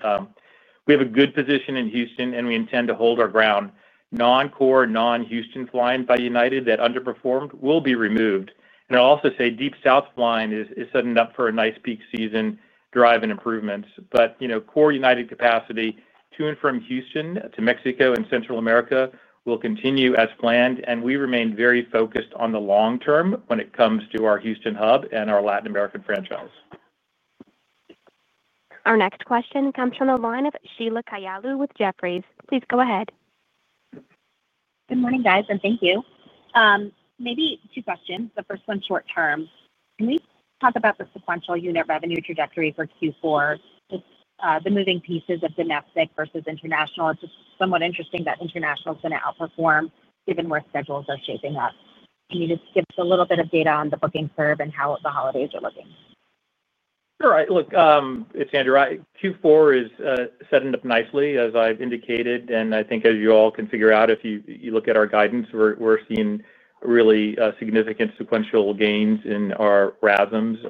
We have a good position in Houston, and we intend to hold our ground. Non-core non-Houston flying by United that underperformed will be removed. I'll also say deep south flying is setting up for a nice peak season drive and improvements. Core United capacity to and from Houston to Mexico and Central America will continue as planned, and we remain very focused on the long term when it comes to our Houston hub and our Latin American franchise. Our next question comes from the line of Sheila Kahyaoglu with Jefferies. Please go ahead. Good morning, guys, and thank you. Maybe two questions. The first one's short term. Can we talk about the sequential unit revenue trajectory for Q4? It's the moving pieces of domestic versus international. It's somewhat interesting that international is going to outperform given where schedules are shaping up. Can you just give us a little bit of data on the booking curve and how the holidays are looking? All right. Look, it's Andrew. Q4 is setting up nicely, as I've indicated. I think as you all can figure out, if you look at our guidance, we're seeing really significant sequential gains in our RASMs.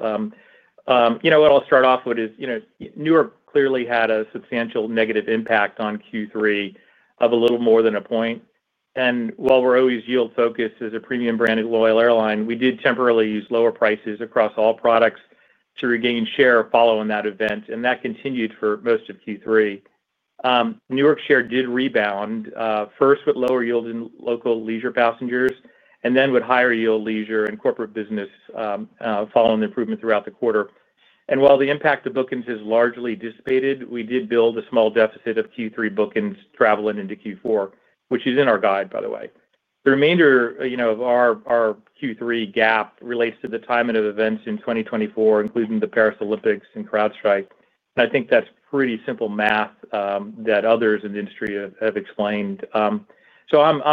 What I'll start off with is, Newark clearly had a substantial negative impact on Q3 of a little more than a point. While we're always yield-focused as a premium brand-loyal airline, we did temporarily use lower prices across all products to regain share following that event, and that continued for most of Q3. Newark share did rebound, first with lower yield in local leisure passengers and then with higher yield leisure and corporate business, following the improvement throughout the quarter. While the impact of bookings has largely dissipated, we did build a small deficit of Q3 bookings traveling into Q4, which is in our guide, by the way. The remainder of our Q3 gap relates to the timing of events in 2024, including the Paris Olympics and CrowdStrike. I think that's pretty simple math, that others in the industry have explained. I'm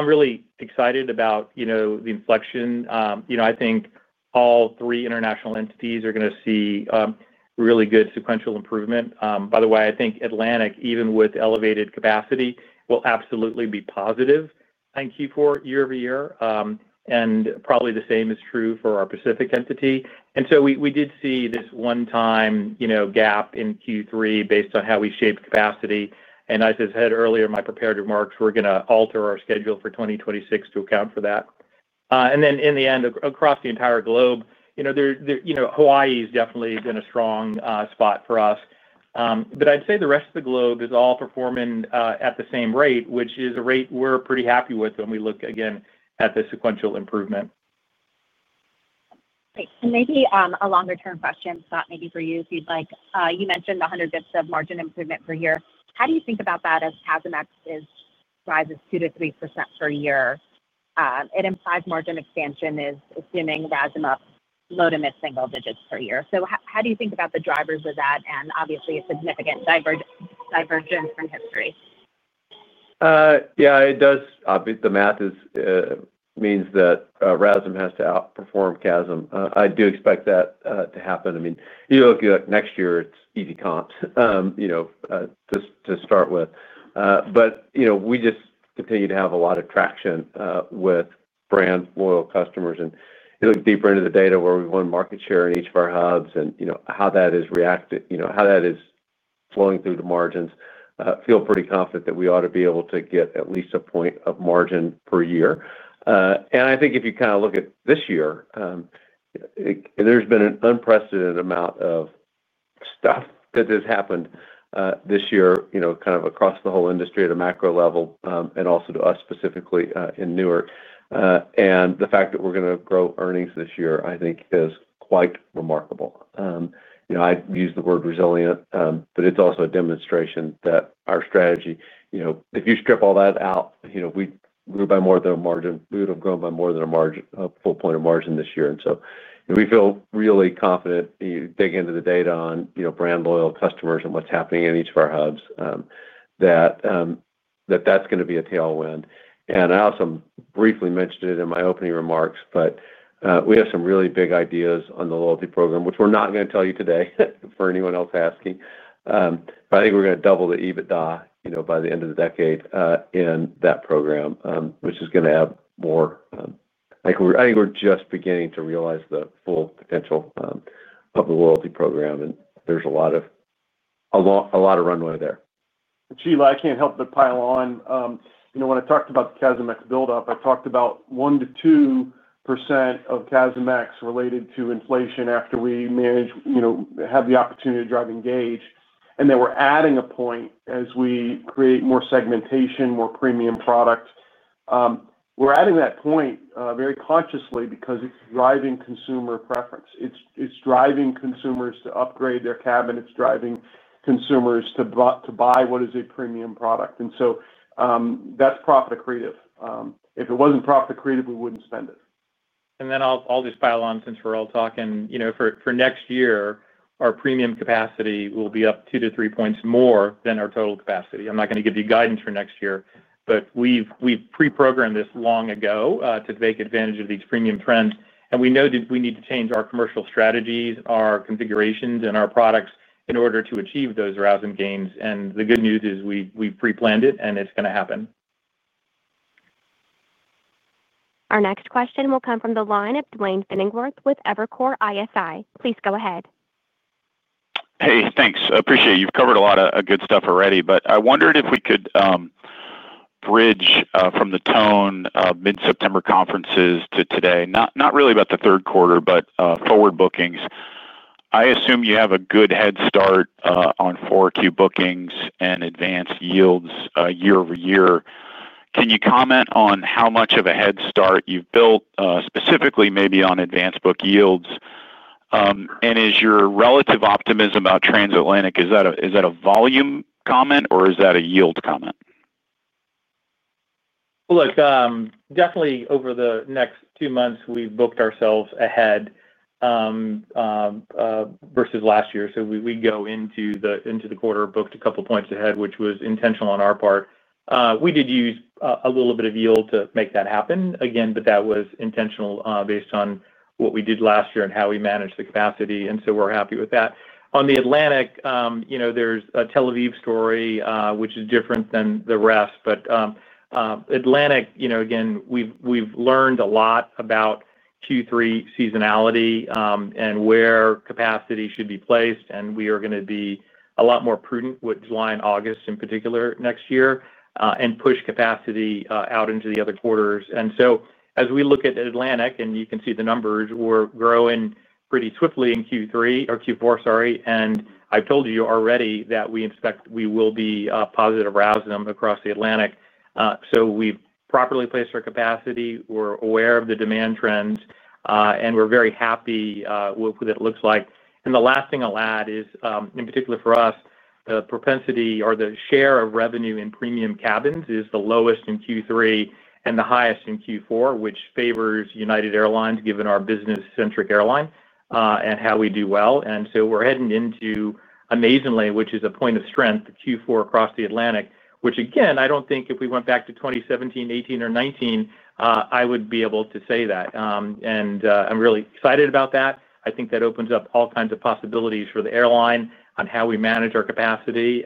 really excited about the inflection. I think all three international entities are going to see really good sequential improvement. By the way, I think Atlantic, even with elevated capacity, will absolutely be positive in Q4 year-over-year, and probably the same is true for our Pacific entity. We did see this one-time gap in Q3 based on how we shaped capacity. As I said earlier in my prepared remarks, we're going to alter our schedule for 2026 to account for that. In the end, across the entire globe, Hawaii has definitely been a strong spot for us. I'd say the rest of the globe is all performing at the same rate, which is a rate we're pretty happy with when we look again at the sequential improvement. Great. Maybe a longer-term question, Scott, maybe for you if you'd like. You mentioned 100 bps of margin improvement per year. How do you think about that as CASM rises 2%-3% per year? It implies margin expansion is assuming RASM up low to mid-single digits per year. How do you think about the drivers of that and obviously a significant divergence from history? Yeah, it does. Obviously, the math means that RASM has to outperform CASM. I do expect that to happen. I mean, you look at next year, it's easy comps to start with, but we just continue to have a lot of traction with brand-loyal customers. You look deeper into the data where we won market share in each of our hubs and how that is reacting, how that is flowing through the margins, I feel pretty confident that we ought to be able to get at least a point of margin per year. I think if you kind of look at this year, there's been an unprecedented amount of stuff that has happened this year, kind of across the whole industry at a macro level, and also to us specifically in Newark. The fact that we're going to grow earnings this year, I think, is quite remarkable. I've used the word resilient, but it's also a demonstration that our strategy, if you strip all that out, we were by more than a margin. We would have grown by more than a margin, a full point of margin this year. We feel really confident, you dig into the data on brand-loyal customers and what's happening in each of our hubs, that that's going to be a tailwind. I also briefly mentioned it in my opening remarks, but we have some really big ideas on the loyalty program, which we're not going to tell you today for anyone else asking. I think we're going to double the EBITDA by the end of the decade in that program, which is going to have more. I think we're just beginning to realize the full potential of the loyalty program. There's a lot of runway there. Sheila, I can't help but pile on. You know, when I talked about the CASM buildup, I talked about 1%-2% of CASM-X related to inflation after we manage, you know, have the opportunity to drive engage. We're adding a point as we create more segmentation, more premium product. We're adding that point very consciously because it's driving consumer preference. It's driving consumers to upgrade their cabin. It's driving consumers to buy what is a premium product. That's profit accretive. If it wasn't profit accretive, we wouldn't spend it. I'll just pile on since we're all talking. For next year, our premium capacity will be up 2 to 3% more than our total capacity. I'm not going to give you guidance for next year, but we've pre-programmed this long ago to take advantage of these premium trends. We know that we need to change our commercial strategies, our configurations, and our products in order to achieve those RASM gains. The good news is we've pre-planned it, and it's going to happen. Our next question will come from the line of Duane Pfennigwerth with Evercore ISI. Please go ahead. Hey, thanks. I appreciate it. You've covered a lot of good stuff already. I wondered if we could bridge from the tone of mid-September conferences to today, not really about the third quarter, but forward bookings. I assume you have a good head start on 4Q bookings and advanced yields year-over-year. Can you comment on how much of a head start you've built, specifically maybe on advanced book yields? Is your relative optimism about Transatlantic, is that a volume comment or is that a yield comment? Over the next two months, we've booked ourselves ahead versus last year. We go into the quarter booked a couple of points ahead, which was intentional on our part. We did use a little bit of yield to make that happen again, but that was intentional based on what we did last year and how we managed the capacity. We're happy with that. On the Atlantic, there's a Tel Aviv story, which is different than the rest. Atlantic, we've learned a lot about Q3 seasonality and where capacity should be placed. We are going to be a lot more prudent with July and August in particular next year and push capacity out into the other quarters. As we look at Atlantic, and you can see the numbers, we're growing pretty swiftly in Q3 or Q4, sorry. I've told you already that we expect we will be positive RASM across the Atlantic. We've properly placed our capacity. We're aware of the demand trends, and we're very happy with what it looks like. The last thing I'll add is, in particular for us, the propensity or the share of revenue in premium cabins is the lowest in Q3 and the highest in Q4, which favors United Airlines, given our business-centric airline and how we do well. We're heading into, amazingly, which is a point of strength, the Q4 across the Atlantic, which I don't think if we went back to 2017, 2018, or 2019, I would be able to say that. I'm really excited about that. I think that opens up all kinds of possibilities for the airline on how we manage our capacity.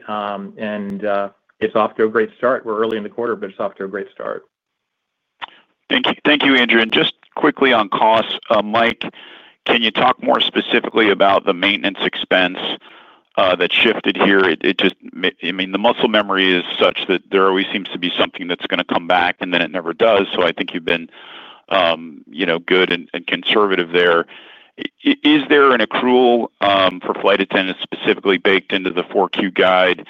It's off to a great start. We're early in the quarter, but it's off to a great start. Thank you. Thank you, Andrew. Just quickly on costs, Mike, can you talk more specifically about the maintenance expense that shifted here? The muscle memory is such that there always seems to be something that's going to come back and then it never does. I think you've been good and conservative there. Is there an accrual for flight attendants specifically baked into the 4Q guide?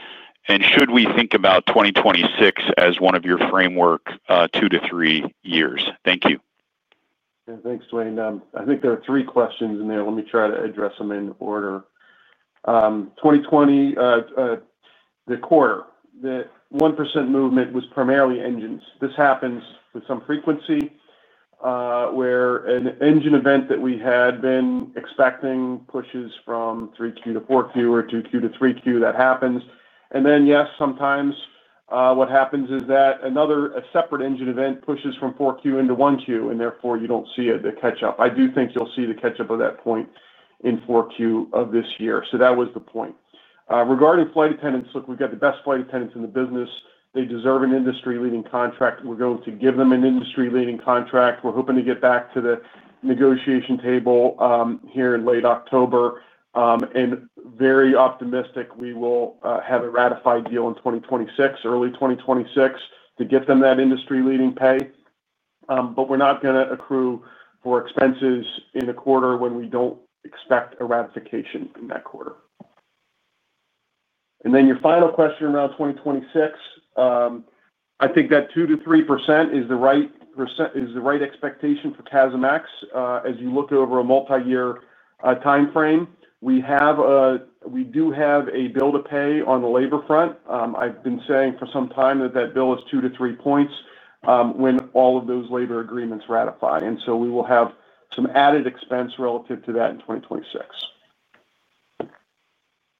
Should we think about 2026 as one of your framework two to three years? Thank you. Yeah, thanks, Dwayne. I think there are three questions in there. Let me try to address them in order. 2020, the quarter, the 1% movement was primarily engine. This happens with some frequency, where an engine event that we had been expecting pushes from 3Q to 4Q or 2Q to 3Q. That happens. Yes, sometimes, what happens is that another separate engine event pushes from 4Q into 1Q, and therefore you don't see the catch-up. I do think you'll see the catch-up of that point in 4Q of this year. That was the point. Regarding flight attendants, look, we've got the best flight attendants in the business. They deserve an industry-leading contract. We're going to give them an industry-leading contract. We're hoping to get back to the negotiation table here in late October, and very optimistic we will have a ratified deal in 2026, early 2026, to get them that industry-leading pay. We're not going to accrue for expenses in a quarter when we don't expect a ratification in that quarter. Your final question around 2026, I think that 2%-3% is the right percent, is the right expectation for CASM, as you look over a multi-year timeframe. We do have a bill to pay on the labor front. I've been saying for some time that that bill is 2-3 points when all of those labor agreements ratify. We will have some added expense relative to that in 2026.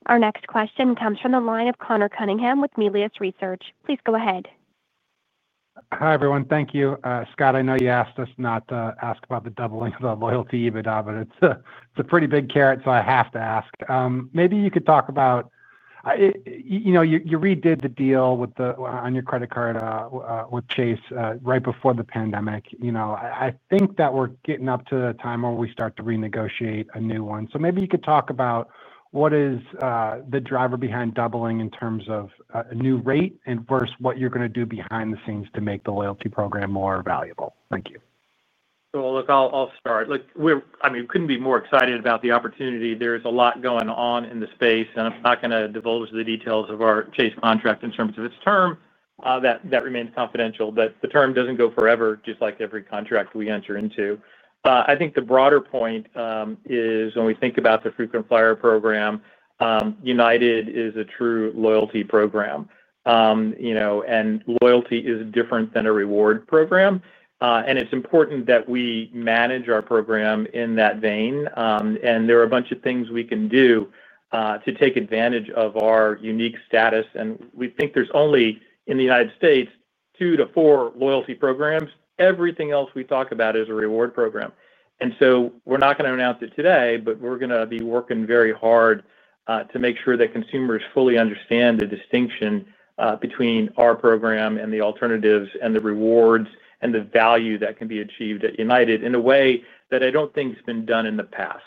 Our next question comes from the line of Conor Cunningham with Melius Research. Please go ahead. Hi everyone. Thank you. Scott, I know you asked us not to ask about the doubling of the loyalty EBITDA, but it's a pretty big carrot, so I have to ask. Maybe you could talk about, you know, you redid the deal with the, on your credit card, with Chase, right before the pandemic. I think that we're getting up to the time where we start to renegotiate a new one. Maybe you could talk about what is the driver behind doubling in terms of a new rate and versus what you're going to do behind the scenes to make the loyalty program more valuable. Thank you. I'll start. I mean, couldn't be more excited about the opportunity. There's a lot going on in the space, and I'm not going to divulge the details of our Chase contract in terms of its term. That remains confidential. The term doesn't go forever, just like every contract we enter into. I think the broader point is when we think about the frequent flyer program, United is a true loyalty program, you know, and loyalty is different than a reward program. It's important that we manage our program in that vein, and there are a bunch of things we can do to take advantage of our unique status. We think there's only, in the U.S., two to four loyalty programs. Everything else we talk about is a reward program. We're not going to announce it today, but we're going to be working very hard to make sure that consumers fully understand the distinction between our program and the alternatives and the rewards and the value that can be achieved at United in a way that I don't think has been done in the past.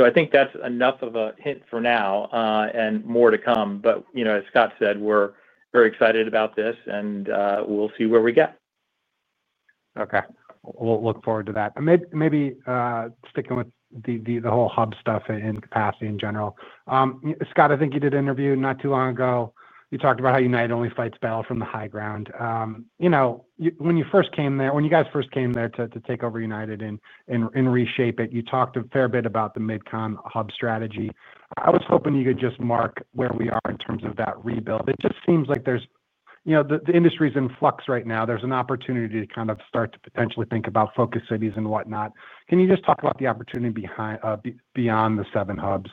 I think that's enough of a hint for now, and more to come. You know, as Scott said, we're very excited about this, and we'll see where we go. Okay. We'll look forward to that. Maybe, sticking with the whole hub stuff and capacity in general. Scott, I think you did an interview not too long ago. You talked about how United only fights battle from the high ground. When you first came there, when you guys first came there to take over United and reshape it, you talked a fair bit about the mid-con hub strategy. I was hoping you could just mark where we are in terms of that rebuild. It just seems like there's, you know, the industry's in flux right now. There's an opportunity to kind of start to potentially think about focus cities and whatnot. Can you just talk about the opportunity behind, beyond the seven hubs,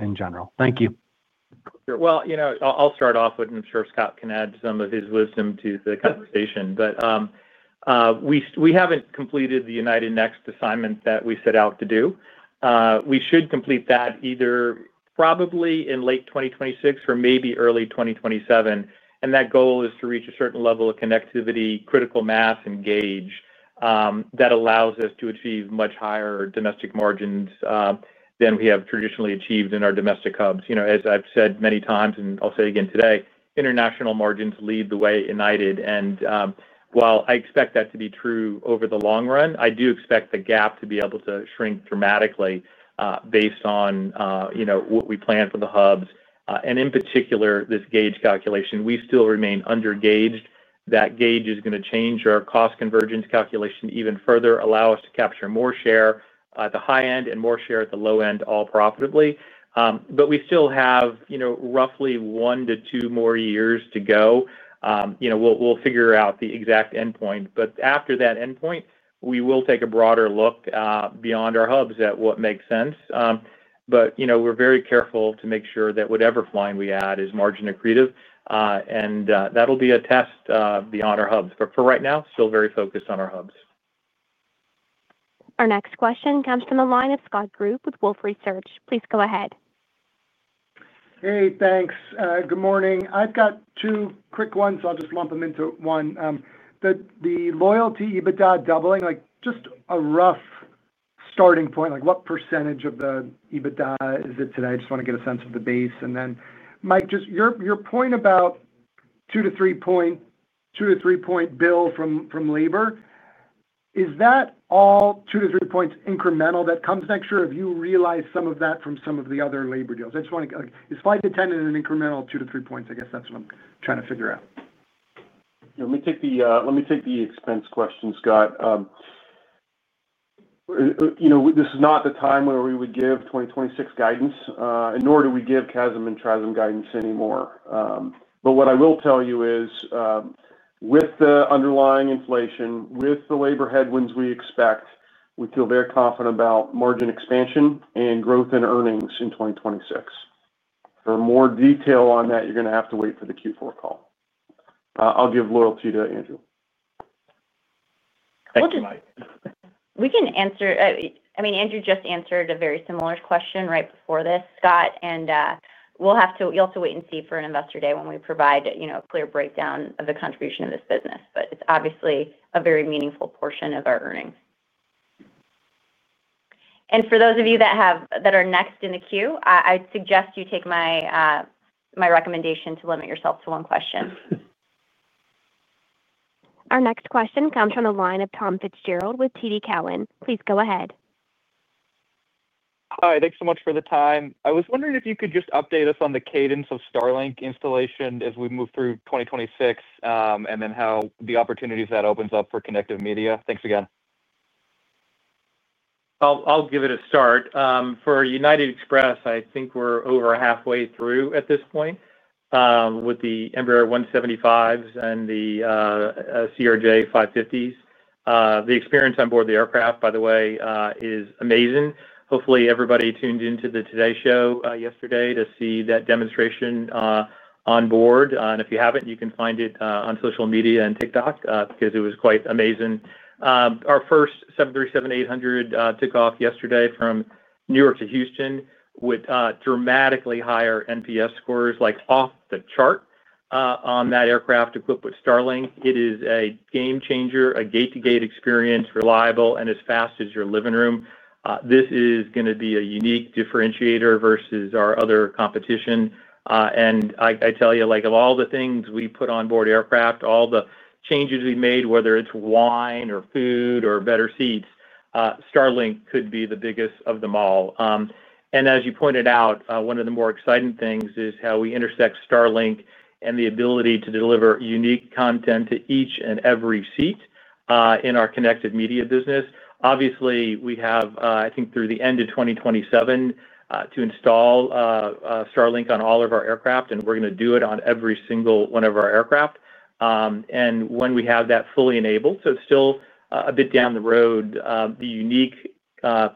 in general? Thank you. Sure. You know, I'll start off with, I'm sure Scott can add some of his wisdom to the conversation. We haven't completed the UnitedNext assignment that we set out to do. We should complete that either probably in late 2026 or maybe early 2027. That goal is to reach a certain level of connectivity, critical mass, and gauge that allows us to achieve much higher domestic margins than we have traditionally achieved in our domestic hubs. As I've said many times, and I'll say again today, international margins lead the way at United. While I expect that to be true over the long run, I do expect the gap to be able to shrink dramatically, based on what we plan for the hubs. In particular, this gauge calculation, we still remain undergauged. That gauge is going to change our cost convergence calculation even further, allow us to capture more share at the high end and more share at the low end, all profitably. We still have roughly one to two more years to go. We'll figure out the exact endpoint. After that endpoint, we will take a broader look beyond our hubs at what makes sense. We are very careful to make sure that whatever flying we add is margin accretive. That'll be a test beyond our hubs. For right now, still very focused on our hubs. Our next question comes from the line of Scott Group with Wolfe Research. Please go ahead. Hey, thanks. Good morning. I've got two quick ones. I'll just lump them into one. The loyalty EBITDA doubling, like just a rough starting point, like what percentage of the EBITDA is it today? I just want to get a sense of the base. Mike, just your point about two to three point, two to three point bill from labor, is that all two to three points incremental that comes next year? Have you realized some of that from some of the other labor deals? I just want to, like, is flight attendant an incremental two to three points? I guess that's what I'm trying to figure out. Let me take the expense question, Scott. This is not the time where we would give 2026 guidance, nor do we give CASM and TRASM guidance anymore. What I will tell you is, with the underlying inflation, with the labor headwinds we expect, we feel very confident about margin expansion and growth in earnings in 2026. For more detail on that, you're going to have to wait for the Q4 call. I'll give loyalty to Andrew. Thank you, Mike. We can answer, I mean, Andrew Nocella just answered a very similar question right before this, Scott. You'll have to wait and see for an investor day when we provide, you know, a clear breakdown of the contribution of this business. It's obviously a very meaningful portion of our earnings. For those of you that are next in the queue, I'd suggest you take my recommendation to limit yourself to one question. Our next question comes from the line of Tom Fitzgerald with TD Cowen. Please go ahead. Hi, thanks so much for the time. I was wondering if you could just update us on the cadence of Starlink installation as we move through 2026, and then how the opportunities that opens up for connective media. Thanks again. I'll give it a start. For United Express, I think we're over halfway through at this point, with the Embraer 175s and the CRJ 550s. The experience on board the aircraft, by the way, is amazing. Hopefully, everybody tuned into the Today Show yesterday to see that demonstration on board. If you haven't, you can find it on social media and TikTok, because it was quite amazing. Our first 737-800 took off yesterday from Newark to Houston with dramatically higher NPS scores, like off the chart, on that aircraft equipped with Starlink. It is a game-changer, a gate-to-gate experience, reliable, and as fast as your living room. This is going to be a unique differentiator versus our other competition. I tell you, like of all the things we put on board aircraft, all the changes we made, whether it's wine or food or better seats, Starlink could be the biggest of them all. As you pointed out, one of the more exciting things is how we intersect Starlink and the ability to deliver unique content to each and every seat in our connected media business. Obviously, we have, I think through the end of 2027, to install Starlink on all of our aircraft, and we're going to do it on every single one of our aircraft. When we have that fully enabled, so it's still a bit down the road, the unique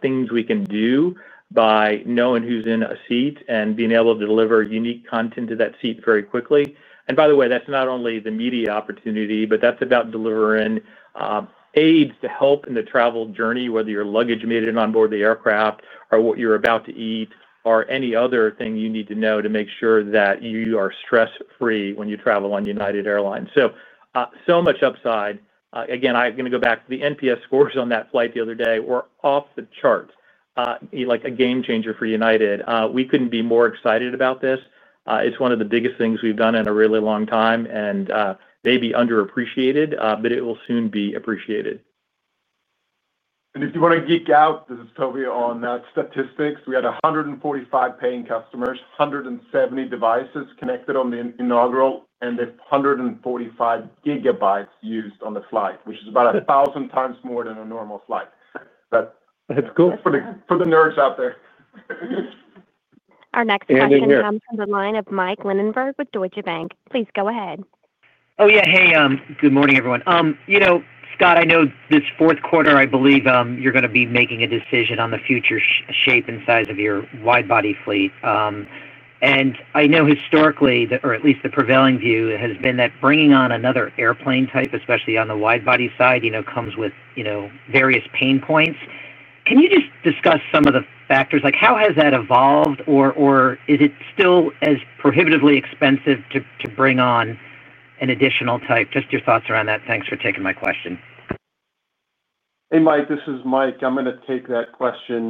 things we can do by knowing who's in a seat and being able to deliver unique content to that seat very quickly. By the way, that's not only the media opportunity, but that's about delivering aids to help in the travel journey, whether your luggage made it on board the aircraft or what you're about to eat or any other thing you need to know to make sure that you are stress-free when you travel on United Airlines. So much upside. Again, I'm going to go back to the NPS scores on that flight the other day were off the charts, like a game changer for United. We couldn't be more excited about this. It's one of the biggest things we've done in a really long time and maybe underappreciated, but it will soon be appreciated. If you want to geek out, this is Toby on statistics. We had 145 paying customers, 170 devices connected on the inaugural, and they had 145 gigabytes used on the flight, which is about 1,000 times more than a normal flight. That's cool. For the nerds out there. Our next question comes from the line of Mike Lindenberg with Deutsche Bank. Please go ahead. Oh, yeah. Good morning, everyone. Scott, I know this fourth quarter, I believe you're going to be making a decision on the future shape and size of your wide-body fleet. I know historically, or at least the prevailing view has been that bringing on another airplane type, especially on the wide-body side, comes with various pain points. Can you discuss some of the factors? How has that evolved, or is it still as prohibitively expensive to bring on an additional type? Just your thoughts around that. Thanks for taking my question. Hey, Mike. This is Mike. I'm going to take that question.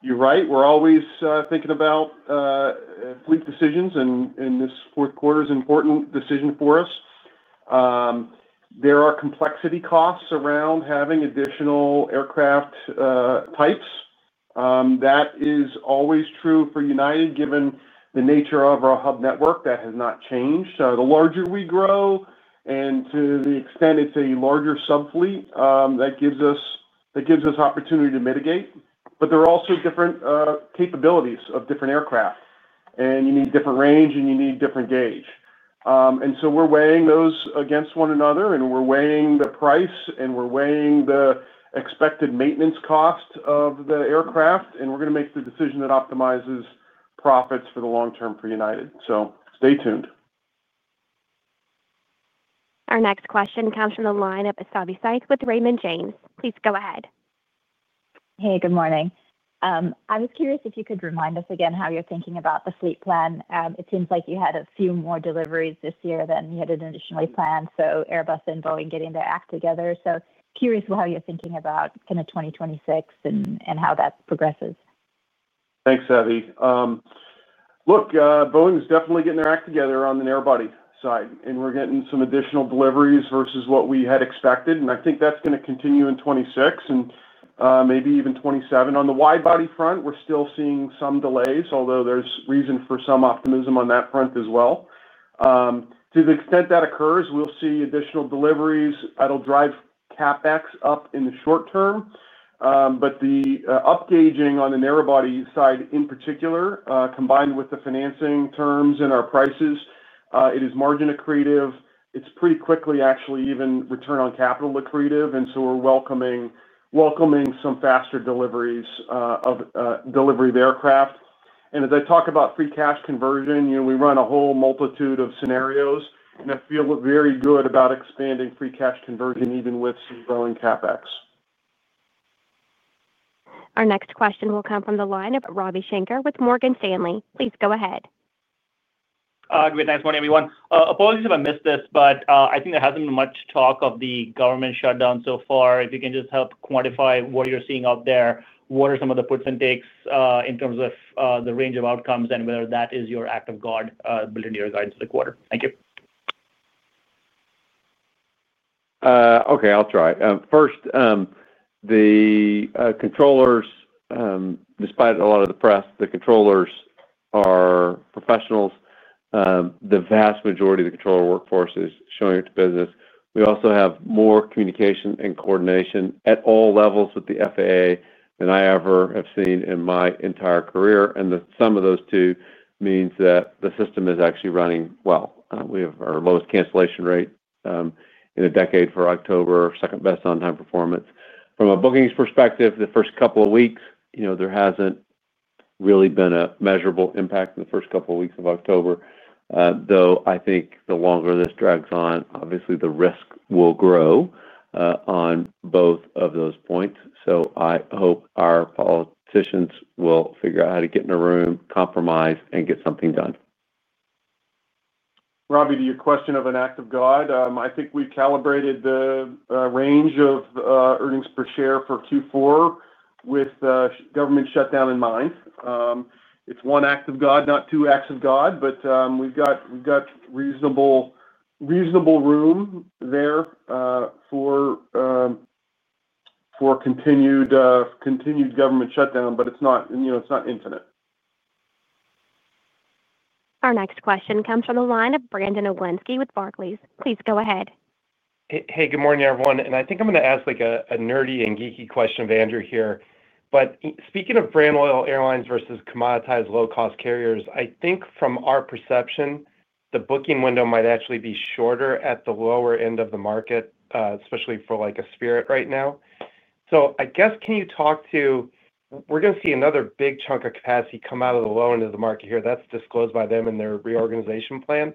You're right. We're always thinking about fleet decisions, and this fourth quarter is an important decision for us. There are complexity costs around having additional aircraft types. That is always true for United, given the nature of our hub network. That has not changed. The larger we grow and to the extent it's a larger subfleet, that gives us opportunity to mitigate. There are also different capabilities of different aircraft. You need different range, and you need different gauge. We're weighing those against one another, and we're weighing the price, and we're weighing the expected maintenance cost of the aircraft, and we're going to make the decision that optimizes profits for the long term for United. Stay tuned. Our next question comes from the line of Savanthi Syth with Raymond James. Please go ahead. Hey, good morning. I was curious if you could remind us again how you're thinking about the fleet plan. It seems like you had a few more deliveries this year than you had initially planned. Are Airbus and Boeing getting their act together? I'm curious how you're thinking about 2026 and how that progresses. Thanks, Savy. Look, Boeing is definitely getting their act together on the narrow-body side, and we're getting some additional deliveries versus what we had expected. I think that's going to continue in 2026 and maybe even 2027. On the wide-body front, we're still seeing some delays, although there's reason for some optimism on that front as well. To the extent that occurs, we'll see additional deliveries. That'll drive CapEx up in the short term, but the upgauging on the narrow-body side in particular, combined with the financing terms and our prices, it is margin accretive. It's pretty quickly, actually, even return on capital accretive. We're welcoming some faster deliveries of aircraft. As I talk about free cash conversion, you know, we run a whole multitude of scenarios, and I feel very good about expanding free cash conversion even with some growing CapEx. Our next question will come from the line of Ravi Shanker with Morgan Stanley. Please go ahead. Good morning, everyone. Apologies if I missed this, but I think there hasn't been much talk of the government shutdown so far. If you can just help quantify what you're seeing out there, what are some of the puts and takes in terms of the range of outcomes and whether that is your act of God built into your guidance for the quarter? Thank you. Okay, I'll try. First, the controllers, despite a lot of the press, the controllers are professionals. The vast majority of the controller workforce is showing up to business. We also have more communication and coordination at all levels with the FAA than I ever have seen in my entire career. The sum of those two means that the system is actually running well. We have our lowest cancellation rate in a decade for October, second best on-time performance. From a bookings perspective, the first couple of weeks, you know, there hasn't really been a measurable impact in the first couple of weeks of October. I think the longer this drags on, obviously, the risk will grow on both of those points. I hope our politicians will figure out how to get in a room, compromise, and get something done. Robby, to your question of an act of God, I think we calibrated the range of earnings per share for Q4 with government shutdown in mind. It's one act of God, not two acts of God, but we've got reasonable room there for continued government shutdown, but it's not infinite. Our next question comes from the line of Brandon Oglenski with Barclays. Please go ahead. Hey, good morning, everyone. I think I'm going to ask like a nerdy and geeky question of Andrew here. Speaking of brand-loyal airlines versus commoditized low-cost carriers, I think from our perception, the booking window might actually be shorter at the lower end of the market, especially for like a Spirit right now. I guess can you talk to, we're going to see another big chunk of capacity come out of the low end of the market here that's disclosed by them in their reorganization plan.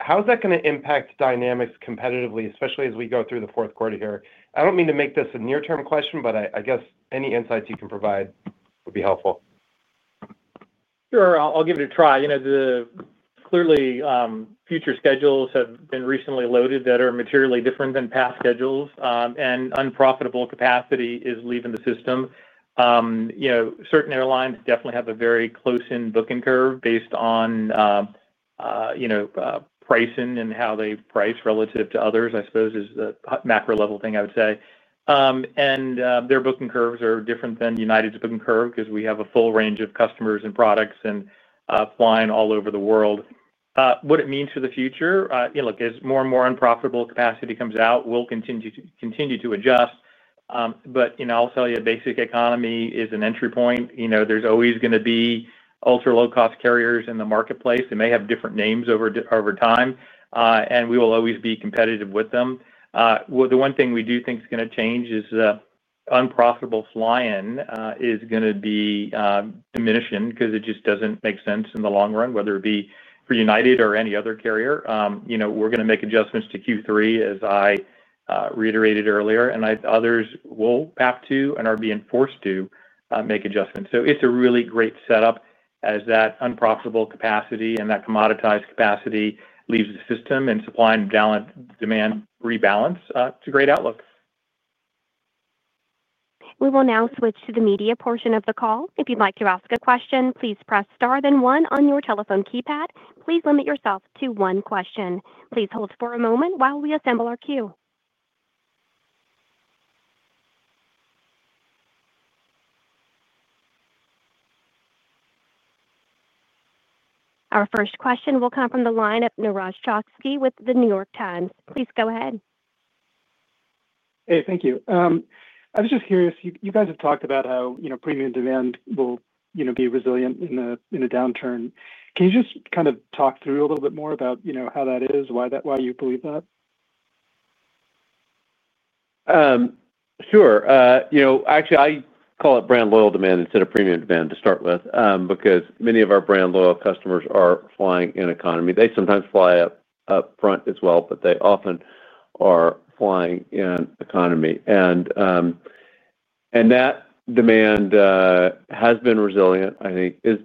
How is that going to impact dynamics competitively, especially as we go through the fourth quarter here? I don't mean to make this a near-term question, but I guess any insights you can provide would be helpful. Sure, I'll give it a try. You know, clearly, future schedules. Have been recently loaded that are materially different than past schedules, and unprofitable capacity is leaving the system. Certain airlines definitely have a very close-in booking curve based on pricing and how they price relative to others, I suppose, is the macro-level thing I would say. Their booking curves are different than United's booking curve because we have a full range of customers and products, and flying all over the world. What it means for the future, look, as more and more unprofitable capacity comes out, we'll continue to adjust. I'll tell you, basic economy is an entry point. There's always going to be ultra-low-cost carriers in the marketplace. They may have different names over time, and we will always be competitive with them. The one thing we do think is going to change is unprofitable flying is going to be diminishing because it just doesn't make sense in the long run, whether it be for United or any other carrier. We're going to make adjustments to Q3, as I reiterated earlier, and others will have to and are being forced to make adjustments. It's a really great setup as that unprofitable capacity and that commoditized capacity leaves the system and supply and demand rebalance. It's a great outlook. We will now switch to the media portion of the call. If you'd like to ask a question, please press star then one on your telephone keypad. Please limit yourself to one question. Please hold for a moment while we assemble our queue. Our first question will come from the line of Niraj Chokshi with The New York Times. Please go ahead. Thank you. I was just curious, you guys have talked about how premium demand will be resilient in a downturn. Can you just kind of talk through a little bit more about how that is, why you believe that? Sure. You know, actually, I call it brand loyal demand instead of premium demand to start with, because many of our brand loyal customers are flying in economy. They sometimes fly up front as well, but they often are flying in economy. That demand has been resilient, I think, is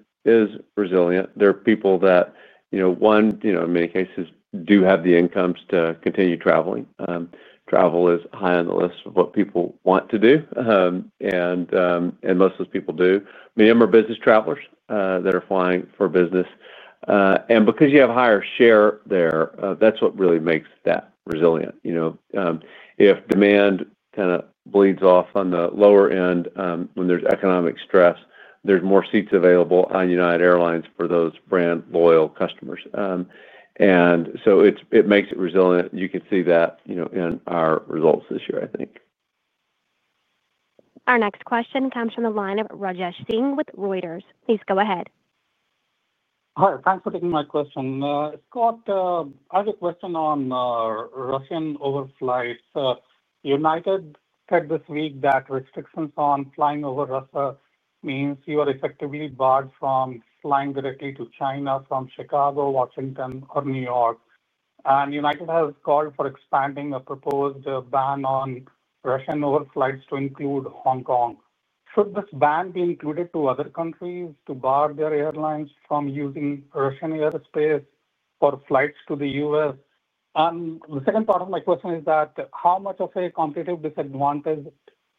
resilient. There are people that, you know, in many cases, do have the incomes to continue traveling. Travel is high on the list of what people want to do, and most of those people do. Many of them are business travelers that are flying for business, and because you have higher share there, that's what really makes that resilient. If demand kind of bleeds off on the lower end when there's economic stress, there's more seats available on United Airlines for those brand loyal customers, and so it makes it resilient. You can see that in our results this year, I think. Our next question comes from the line of Rajesh Singh with Reuters. Please go ahead. Hi. Thanks for taking my question. Scott, I have a question on Russian overflights. United said this week that restrictions on flying over Russia mean you are effectively barred from flying directly to China from Chicago, Washington, or New York. United has called for expanding a proposed ban on Russian overflights to include Hong Kong. Should this ban be extended to other countries to bar their airlines from using Russian airspace for flights to the U.S.? The second part of my question is how much of a competitive disadvantage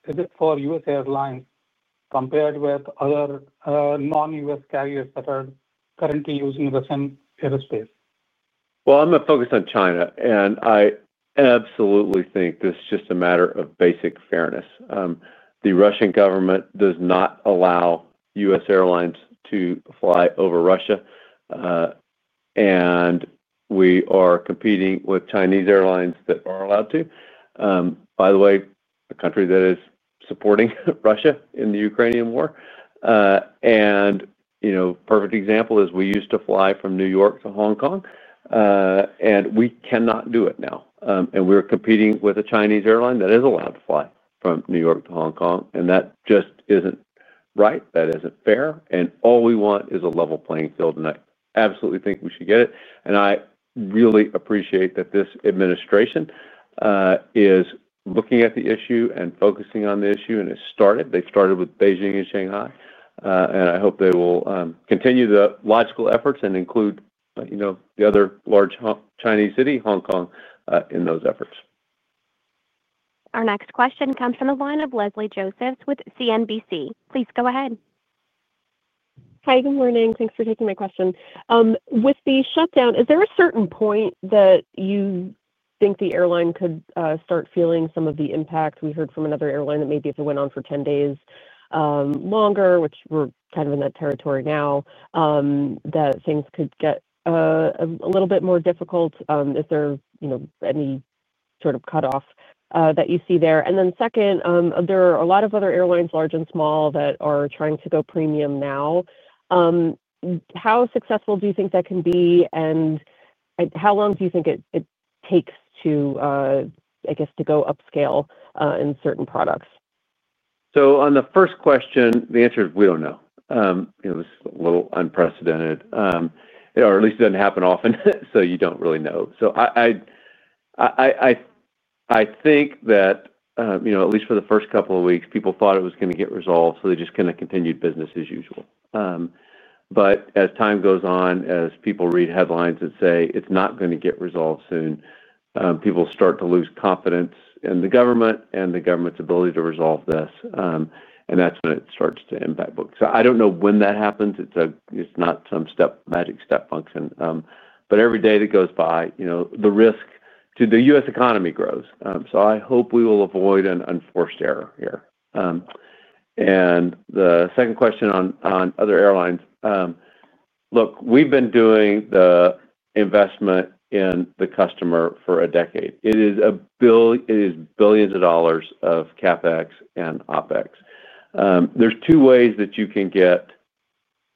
is it for U.S. airlines compared with other non-U.S. carriers that are currently using Russian airspace? am going to focus on China, and I absolutely think this is just a matter of basic fairness. The Russian government does not allow U.S. airlines to fly over Russia, and we are competing with Chinese airlines that are allowed to. By the way, a country that is supporting Russia in the Ukrainian war. You know, a perfect example is we used to fly from New York to Hong Kong, and we cannot do it now. We are competing with a Chinese airline that is allowed to fly from New York to Hong Kong. That just isn't right. That isn't fair. All we want is a level playing field, and I absolutely think we should get it. I really appreciate that this administration is looking at the issue and focusing on the issue and has started. They've started with Beijing and Shanghai, and I hope they will continue the logical efforts and include, you know, the other large Chinese city, Hong Kong, in those efforts. Our next question comes from the line of Leslie Joseph with CNBC. Please go ahead. Hi. Good morning. Thanks for taking my question. With the shutdown, is there a certain point that you think the airline could start feeling some of the impact? We heard from another airline that maybe if it went on for 10 days or longer, which we're kind of in that territory now, that things could get a little bit more difficult. If there's any sort of cutoff that you see there. Second, there are a lot of other airlines, large and small, that are trying to go premium now. How successful do you think that can be, and how long do you think it takes to, I guess, to go upscale in certain products? On the first question, the answer is we don't know. It was a little unprecedented, or at least it doesn't happen often, so you don't really know. I think that, at least for the first couple of weeks, people thought it was going to get resolved, so they just kind of continued business as usual. As time goes on, as people read headlines that say it's not going to get resolved soon, people start to lose confidence in the government and the government's ability to resolve this. That's when it starts to impact books. I don't know when that happens. It's not some magic step function. Every day that goes by, the risk to the U.S. economy grows. I hope we will avoid an unforced error here. On the second question on other airlines, look, we've been doing the investment in the customer for a decade. It is billions of dollars of CapEx and OpEx. There are two ways that you can get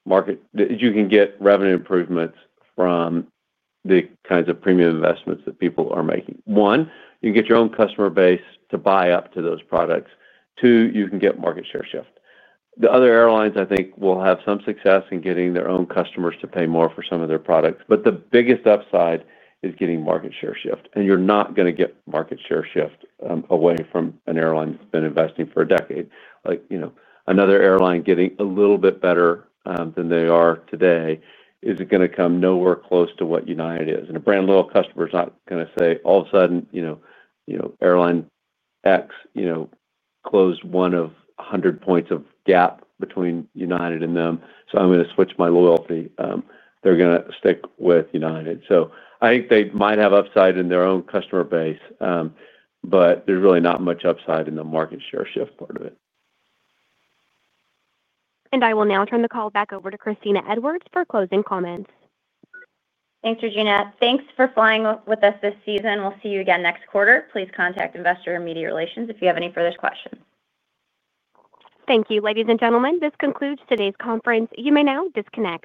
market, that you can get revenue improvements from the kinds of premium investments that people are making. One, you can get your own customer base to buy up to those products. Two, you can get market share shift. The other airlines, I think, will have some success in getting their own customers to pay more for some of their products. The biggest upside is getting market share shift. You're not going to get market share shift away from an airline that's been investing for a decade. Another airline getting a little bit better than they are today isn't going to come anywhere close to what United is. A brand loyal customer is not going to say all of a sudden, you know, airline X closed one of 100 points of gap between United and them, so I'm going to switch my loyalty. They're going to stick with United. I think they might have upside in their own customer base, but there's really not much upside in the market share shift part of it. I will now turn the call back over to Kristina Edwards for closing comments. Thanks, Regina. Thanks for flying with us this season. We'll see you again next quarter. Please contact investor or media relations if you have any further questions. Thank you, ladies and gentlemen. This concludes today's conference. You may now disconnect.